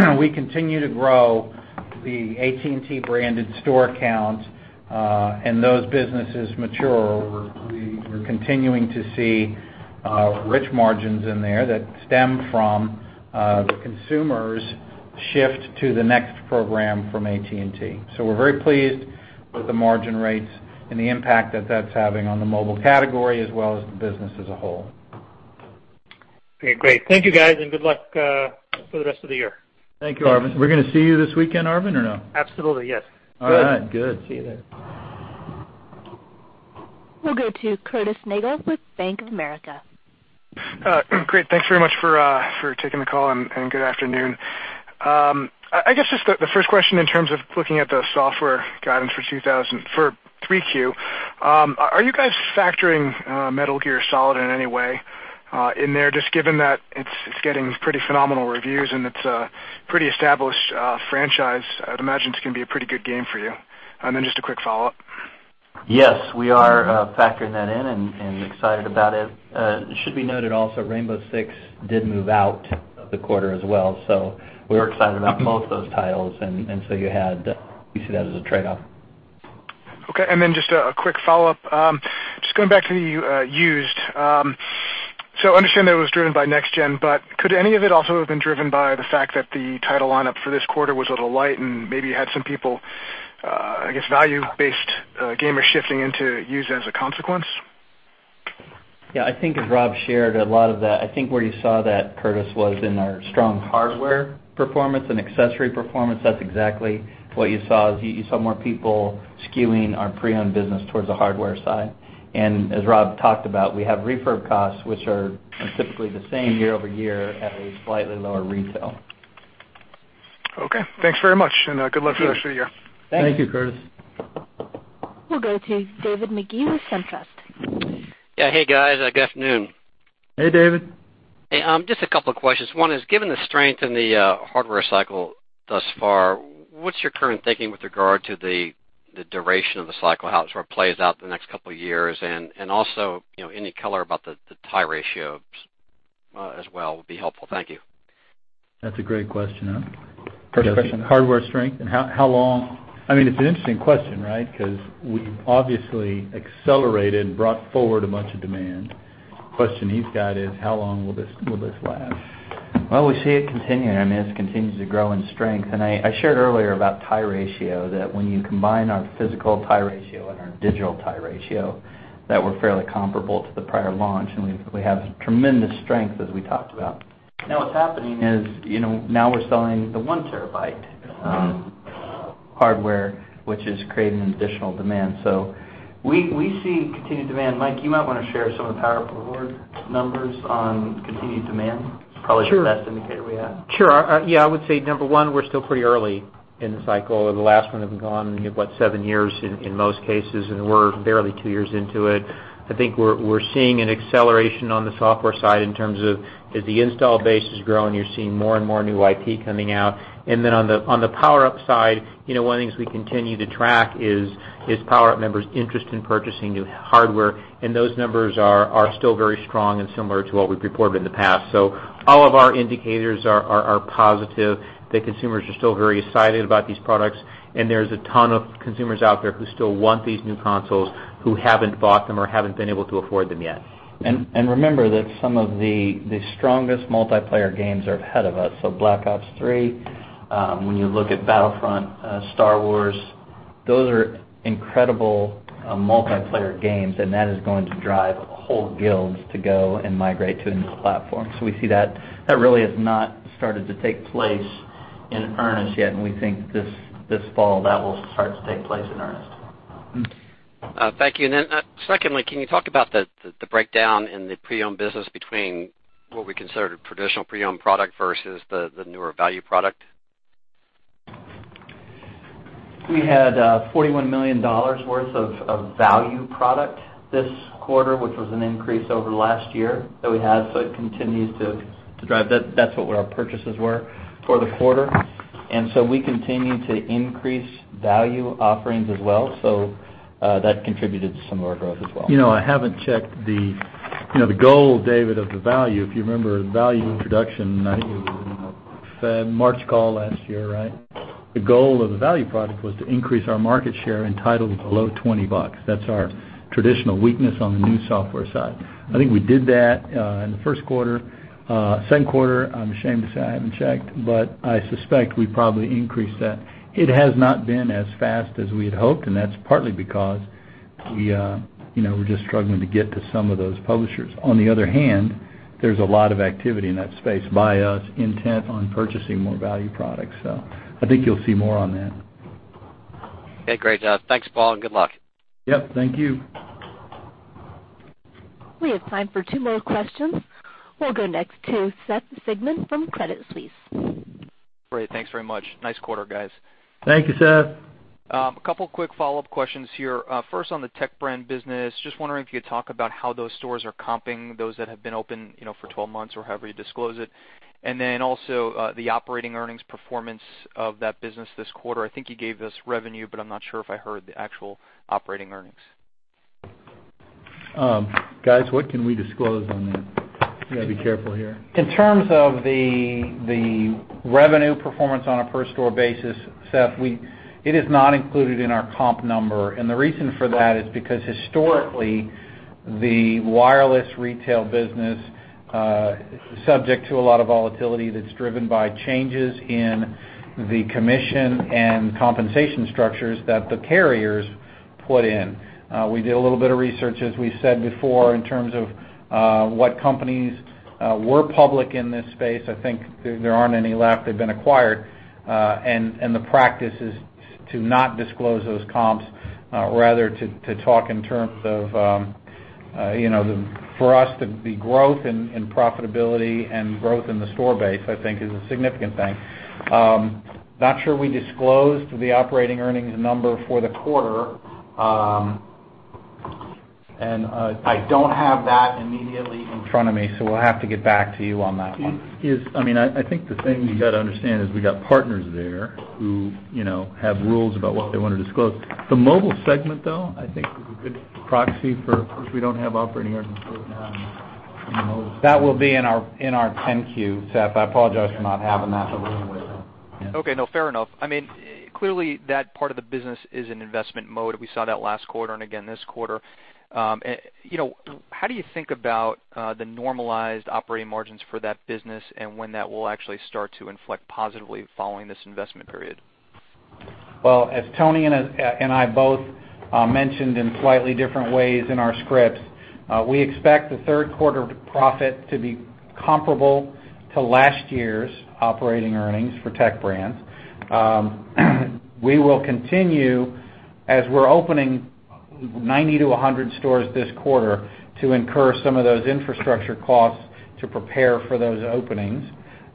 As we continue to grow the AT&T-branded store count, and those businesses mature, we're continuing to see rich margins in there that stem from the consumers' shift to the next program from AT&T. We're very pleased with the margin rates and the impact that that's having on the mobile category, as well as the business as a whole. Okay, great. Thank you, guys, and good luck for the rest of the year. Thank you, Arvind. We're going to see you this weekend, Arvind, or no? Absolutely, yes. All right, good. See you there. We'll go to Curtis Nagle with Bank of America. Great. Thanks very much for taking the call, and good afternoon. I guess just the first question in terms of looking at the software guidance for 3Q. Are you guys factoring Metal Gear Solid in any way in there, just given that it's getting pretty phenomenal reviews and it's a pretty established franchise? I'd imagine it's going to be a pretty good game for you. Then just a quick follow-up. Yes, we are factoring that in and excited about it. It should be noted also, Rainbow Six did move out of the quarter as well. We're excited about both those titles, you see that as a trade-off. Okay. Just a quick follow-up. Just going back to the used. I understand that it was driven by next-gen, could any of it also have been driven by the fact that the title lineup for this quarter was a little light and maybe you had some people, I guess, value-based gamers shifting into used as a consequence? Yeah, I think as Rob shared, a lot of that, I think where you saw that, Curtis, was in our strong hardware performance and accessory performance. That's exactly what you saw, is you saw more people skewing our pre-owned business towards the hardware side. As Rob talked about, we have refurb costs, which are typically the same year-over-year at a slightly lower retail. Okay. Thanks very much, good luck for the rest of the year. Thanks. Thank you, Curtis. We'll go to David Magee with SunTrust. Yeah. Hey, guys. Good afternoon. Hey, David. Hey. Just a couple of questions. One is, given the strength in the hardware cycle thus far, what's your current thinking with regard to the duration of the cycle, how it sort of plays out in the next couple of years, and also, any color about the tie ratios as well would be helpful. Thank you. That's a great question. First question. Hardware strength and how long. It's an interesting question, right? We've obviously accelerated and brought forward a bunch of demand. The question he's got is, how long will this last? Well, we see it continuing. It continues to grow in strength. I shared earlier about tie ratio, that when you combine our physical tie ratio and our digital tie ratio, that we're fairly comparable to the prior launch, and we have tremendous strength, as we talked about. What's happening is, now we're selling the one-terabyte hardware, which is creating additional demand. We see continued demand. Mike, you might want to share some of the PowerUp numbers on continued demand. It's probably the best indicator we have. Sure. Yeah, I would say, number one, we're still pretty early in the cycle, or the last one having gone what, seven years in most cases, and we're barely two years into it. I think we're seeing an acceleration on the software side in terms of, as the install base is growing, you're seeing more and more new IP coming out. On the PowerUp side, one of the things we continue to track is PowerUp members' interest in purchasing new hardware, and those numbers are still very strong and similar to what we've reported in the past. All of our indicators are positive. The consumers are still very excited about these products, and there's a ton of consumers out there who still want these new consoles who haven't bought them or haven't been able to afford them yet. Remember that some of the strongest multiplayer games are ahead of us. Black Ops 3, when you look at Battlefront, Star Wars, those are incredible multiplayer games, and that is going to drive whole guilds to go and migrate to a new platform. We see that really has not started to take place in earnest yet, and we think this fall, that will start to take place in earnest. Thank you. Secondly, can you talk about the breakdown in the pre-owned business between what we consider a traditional pre-owned product versus the newer value product? We had $41 million worth of value product this quarter, which was an increase over last year that we had. It continues to drive. That's what our purchases were for the quarter. We continue to increase value offerings as well. That contributed to some of our growth as well. I haven't checked the goal, David, of the value. If you remember the value introduction, I think it was in the March call last year, right? The goal of the value product was to increase our market share in titles below $20. That's our traditional weakness on the new software side. I think we did that in the first quarter. Second quarter, I'm ashamed to say I haven't checked, but I suspect we probably increased that. It has not been as fast as we had hoped, and that's partly because we're just struggling to get to some of those publishers. On the other hand, there's a lot of activity in that space by us intent on purchasing more value products. I think you'll see more on that. Okay, great. Thanks, Paul. Good luck. Yep, thank you. We have time for two more questions. We will go next to Seth Sigman from Credit Suisse. Great. Thanks very much. Nice quarter, guys. Thank you, Seth. A couple of quick follow-up questions here. First, on the Technology Brands business, just wondering if you could talk about how those stores are comping, those that have been open for 12 months or however you disclose it. Also, the operating earnings performance of that business this quarter. I think you gave us revenue. I'm not sure if I heard the actual operating earnings. Guys, what can we disclose on that? We've got to be careful here. In terms of the revenue performance on a per store basis, Seth, it is not included in our comp number. The reason for that is because historically, the wireless retail business is subject to a lot of volatility that's driven by changes in the commission and compensation structures that the carriers put in. We did a little bit of research, as we said before, in terms of what companies were public in this space. I think there aren't any left. They've been acquired. The practice is to not disclose those comps, rather to talk in terms of, for us, the growth in profitability and growth in the store base is a significant thing. Not sure we disclosed the operating earnings number for the quarter. I don't have that immediately in front of me, so we'll have to get back to you on that one. The thing you got to understand is we got partners there who have rules about what they want to disclose. The mobile segment, though, is a good proxy for it because we don't have operating earnings right now in the mobile segment. That will be in our 10-Q, Seth. I apologize for not having that today with me. Okay, no, fair enough. Clearly that part of the business is in investment mode. We saw that last quarter and again this quarter. How do you think about the normalized operating margins for that business and when that will actually start to inflect positively following this investment period? Well, as Tony and I both mentioned in slightly different ways in our scripts, we expect the third quarter profit to be comparable to last year's operating earnings for Techbrand. We will continue, as we're opening 90-100 stores this quarter, to incur some of those infrastructure costs to prepare for those openings.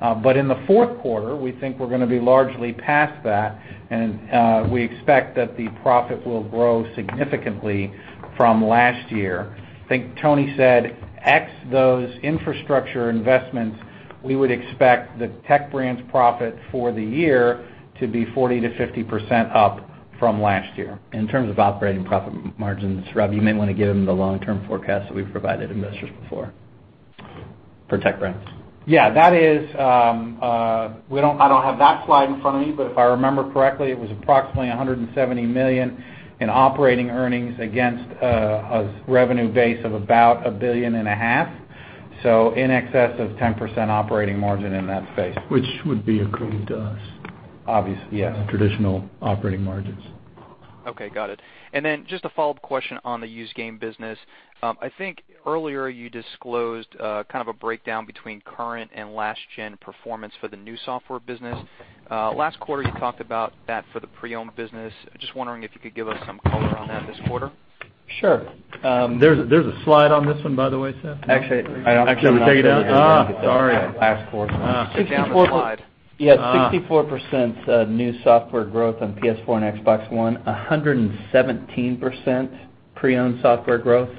In the fourth quarter, we think we're going to be largely past that, and we expect that the profit will grow significantly from last year. I think Tony said X those infrastructure investments, we would expect the Techbrand's profit for the year to be 40%-50% up from last year. In terms of operating profit margins, Rob, you may want to give him the long-term forecast that we've provided investors before for Techbrands. Yeah. I don't have that slide in front of me, but if I remember correctly, it was approximately $170 million in operating earnings against a revenue base of about a billion and a half. In excess of 10% operating margin in that space. Which would be accretive to us. Obviously, yes. Traditional operating margins. Okay, got it. Just a follow-up question on the used game business. I think earlier you disclosed a breakdown between current and last-gen performance for the new software business. Last quarter you talked about that for the pre-owned business. Just wondering if you could give us some color on that this quarter. Sure. There's a slide on this one, by the way, Seth. Actually, I don't. Should we take it out? Sorry. Ask for it. Take down the slide. You had 64% new software growth on PS4 and Xbox One, 117% pre-owned software growth,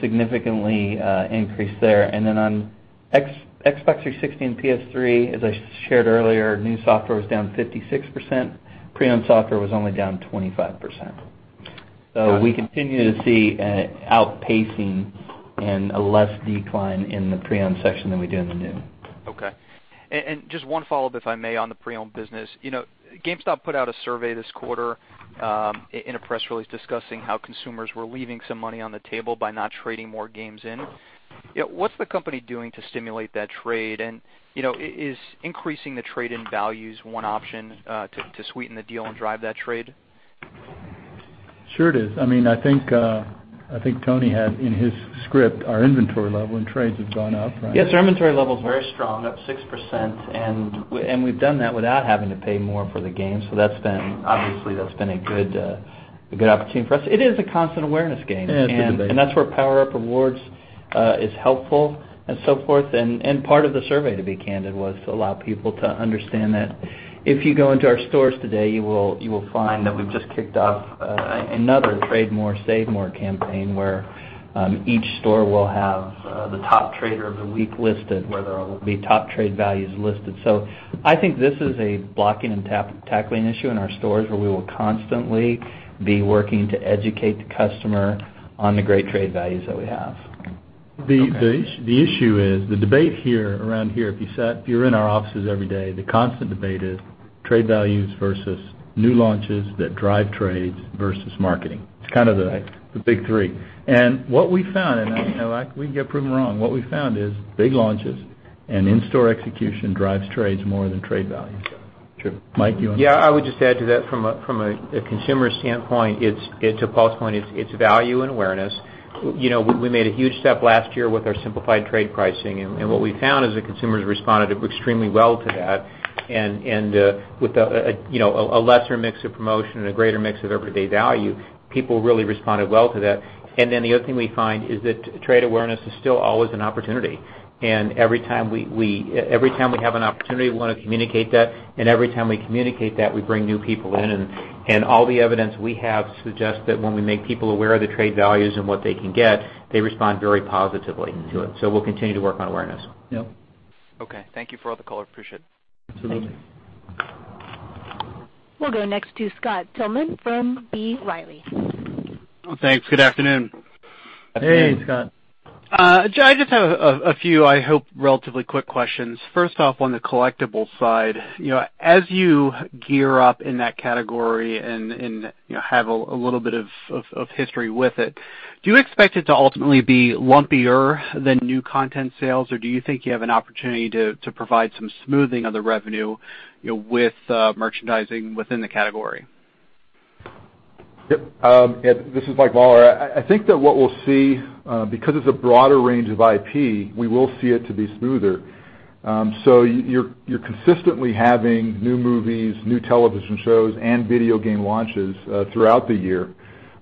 significantly increased there. Then on Xbox 360 and PS3, as I shared earlier, new software was down 56%, pre-owned software was only down 25%. We continue to see an outpacing and a less decline in the pre-owned section than we do in the new. Okay. Just one follow-up, if I may, on the pre-owned business. GameStop put out a survey this quarter in a press release discussing how consumers were leaving some money on the table by not trading more games in. What's the company doing to stimulate that trade, and is increasing the trade-in values one option to sweeten the deal and drive that trade? Sure it is. I think Tony had in his script our inventory level and trades have gone up, right? Yes. Our inventory level's very strong, up 6%, and we've done that without having to pay more for the games. Obviously, that's been a good opportunity for us. It is a constant awareness game. Yeah, it's a debate. That's where PowerUp Rewards is helpful, and so forth. Part of the survey, to be candid, was to allow people to understand that if you go into our stores today, you will find that we've just kicked off another Trade More, Save More campaign, where each store will have the top trader of the week listed, where there will be top trade values listed. I think this is a blocking and tackling issue in our stores, where we will constantly be working to educate the customer on the great trade values that we have. The issue is the debate here, around here, if you're in our offices every day, the constant debate is trade values versus new launches that drive trades versus marketing. It's kind of the big three. What we found, and we could get proven wrong, what we found is big launches and in-store execution drives trades more than trade value. True. Mike, you want to. I would just add to that from a consumer standpoint, it's a pulse point, it's value and awareness. We made a huge step last year with our simplified trade pricing. What we found is that consumers responded extremely well to that. With a lesser mix of promotion and a greater mix of everyday value, people really responded well to that. The other thing we find is that trade awareness is still always an opportunity. Every time we have an opportunity, we want to communicate that. Every time we communicate that, we bring new people in, and all the evidence we have suggests that when we make people aware of the trade values and what they can get, they respond very positively to it. We'll continue to work on awareness. Yep. Okay. Thank you for all the color. Appreciate it. Absolutely. Thank you. We'll go next to Scott Tilghman from B. Riley. Well, thanks. Good afternoon. Hey, Scott. I just have a few, I hope, relatively quick questions. First off, on the collectibles side. As you gear up in that category and have a little bit of history with it, do you expect it to ultimately be lumpier than new content sales, or do you think you have an opportunity to provide some smoothing of the revenue with merchandising within the category? Yep. Ed, this is Michael Mauler. I think that what we'll see because it's a broader range of IP, we will see it to be smoother. You're consistently having new movies, new television shows, and video game launches throughout the year.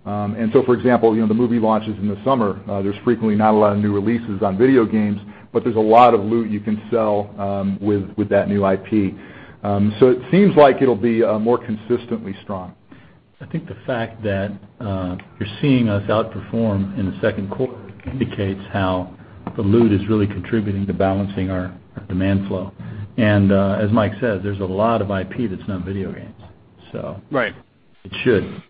For example, the movie launches in the summer, there's frequently not a lot of new releases on video games, but there's a lot of loot you can sell with that new IP. It seems like it'll be more consistently strong. I think the fact that you're seeing us outperform in the second quarter indicates how the loot is really contributing to balancing our demand flow. As Mike said, there's a lot of IP that's not video games so- Right It should.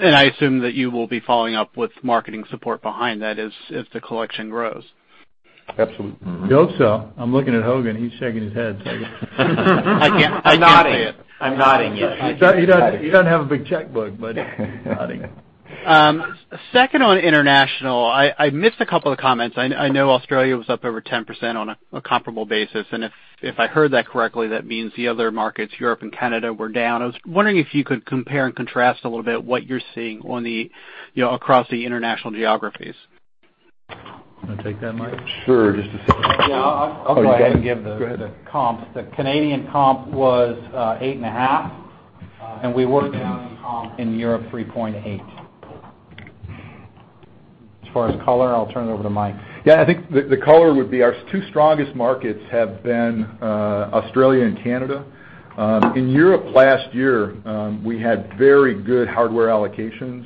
I assume that you will be following up with marketing support behind that as the collection grows. Absolutely. I hope so. I'm looking at Hogan, he's shaking his head. I'm nodding. I can't see it. I'm nodding, yes. He doesn't have a big checkbook, but he's nodding. Second, on international, I missed a couple of comments. I know Australia was up over 10% on a comparable basis, and if I heard that correctly, that means the other markets, Europe and Canada, were down. I was wondering if you could compare and contrast a little bit what you're seeing across the international geographies. You want to take that, Mike? Sure. Just a second. Yeah, I'll go ahead and give. Go ahead. comps. The Canadian comp was 8.5%, we were down in comp in Europe 3.8%. As far as color, I'll turn it over to Mike. I think the color would be our two strongest markets have been Australia and Canada. In Europe last year, we had very good hardware allocations,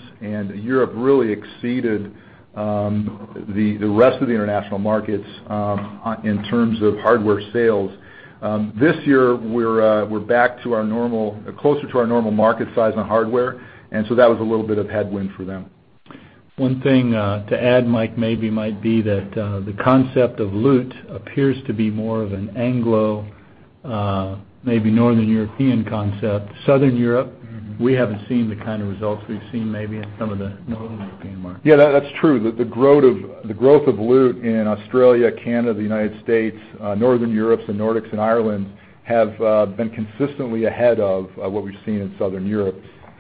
Europe really exceeded the rest of the international markets in terms of hardware sales. This year, we're back to our normal, closer to our normal market size on hardware, that was a little bit of headwind for them. One thing to add, Mike, maybe might be that the concept of loot appears to be more of an Anglo, maybe Northern European concept. Southern Europe. We haven't seen the kind of results we've seen maybe in some of the Northern European markets. Yeah, that's true. The growth of loot in Australia, Canada, the United States, Northern Europe, the Nordics, and Ireland have been consistently ahead of what we've seen in Southern Europe.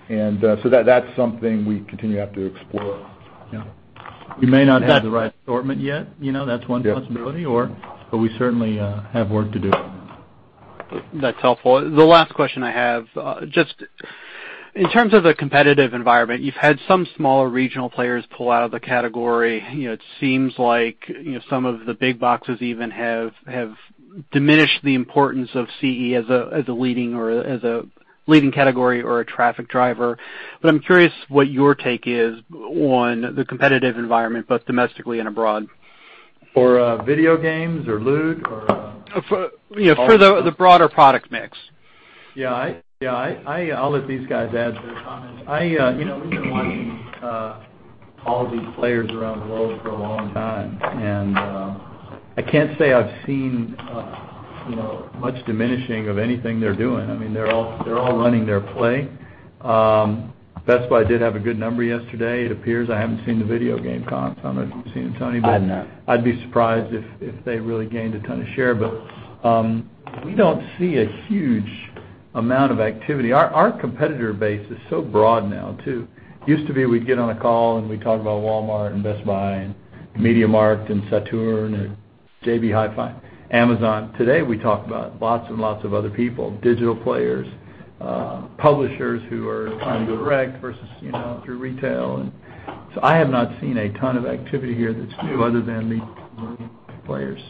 That's something we continue to have to explore. Yeah. We may not have the right assortment yet, that's one possibility. We certainly have work to do. That's helpful. The last question I have, just in terms of the competitive environment, you've had some smaller regional players pull out of the category. It seems like some of the big boxes even have diminished the importance of CE as a leading category or a traffic driver. I'm curious what your take is on the competitive environment, both domestically and abroad. For video games or loot. For the broader product mix. Yeah. I'll let these guys add their comment. We've been watching all these players around the globe for a long time, and I can't say I've seen much diminishing of anything they're doing. I mean, they're all running their play. Best Buy did have a good number yesterday, it appears. I haven't seen the video game comps. I don't know if you've seen Tony? I have not. I'd be surprised if they really gained a ton of share. We don't see a huge amount of activity. Our competitor base is so broad now, too. Used to be we'd get on a call, and we'd talk about Walmart and Best Buy and Media Markt and Saturn. JB Hi-Fi, Amazon. Today, we talked about lots and lots of other people, digital players, publishers who are going direct versus through retail. I have not seen a ton of activity here that's new other than the players.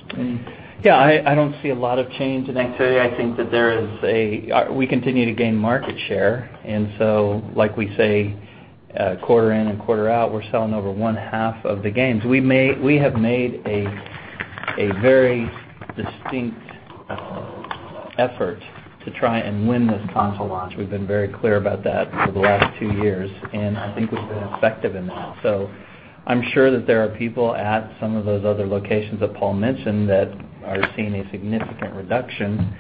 Yeah, I don't see a lot of change in activity. I think that we continue to gain market share, and so like we say, quarter in and quarter out, we're selling over one half of the games. We have made a very distinct effort to try and win this console launch. We've been very clear about that for the last two years, and I think we've been effective in that. I'm sure that there are people at some of those other locations that Paul mentioned that are seeing a significant reduction.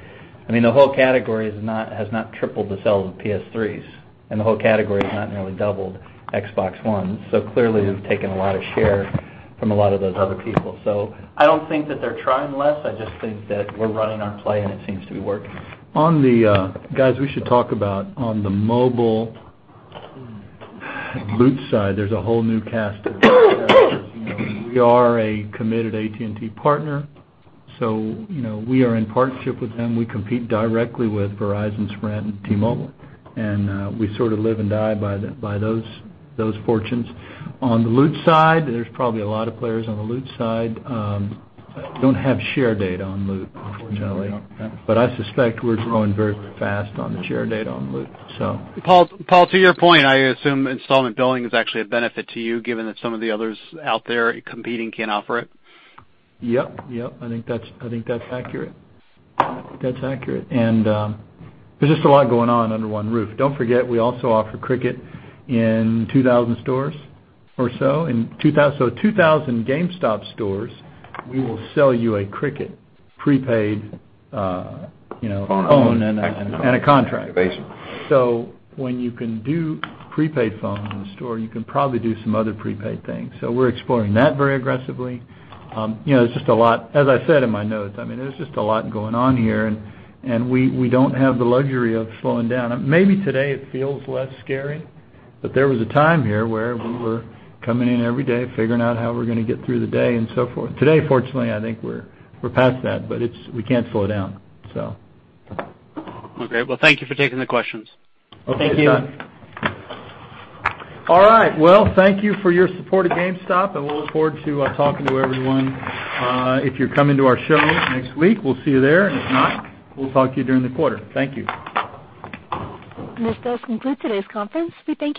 I mean, the whole category has not tripled the sales of PS3s, and the whole category has not nearly doubled Xbox One. Clearly, we've taken a lot of share from a lot of those other people. I don't think that they're trying less. I just think that we're running our play, and it seems to be working. Guys, we should talk about on the mobile Loot side, there's a whole new cast of characters. We are a committed AT&T partner, so we are in partnership with them. We compete directly with Verizon, Sprint, and T-Mobile, and we sort of live and die by those fortunes. On the Loot side, there's probably a lot of players on the Loot side. Don't have share data on Loot, unfortunately. Yeah. I suspect we're growing very fast on the share date on Loot, so. Paul, to your point, I assume installment billing is actually a benefit to you given that some of the others out there competing can't offer it. Yep. I think that's accurate. There's just a lot going on under one roof. Don't forget, we also offer Cricket in 2,000 stores or so. In 2,000 GameStop stores, we will sell you a Cricket prepaid- Phone phone and a contract. Basically. When you can do prepaid phones in the store, you can probably do some other prepaid things. We're exploring that very aggressively. As I said in my notes, I mean, there's just a lot going on here, and we don't have the luxury of slowing down. Maybe today it feels less scary, but there was a time here where we were coming in every day, figuring out how we're going to get through the day, and so forth. Today, fortunately, I think we're past that, but we can't slow down. Okay. Well, thank you for taking the questions. Thank you. Okay, John. All right. Well, thank you for your support of GameStop. We'll look forward to talking to everyone. If you're coming to our showroom next week, we'll see you there, and if not, we'll talk to you during the quarter. Thank you. This does conclude today's conference. We thank you for-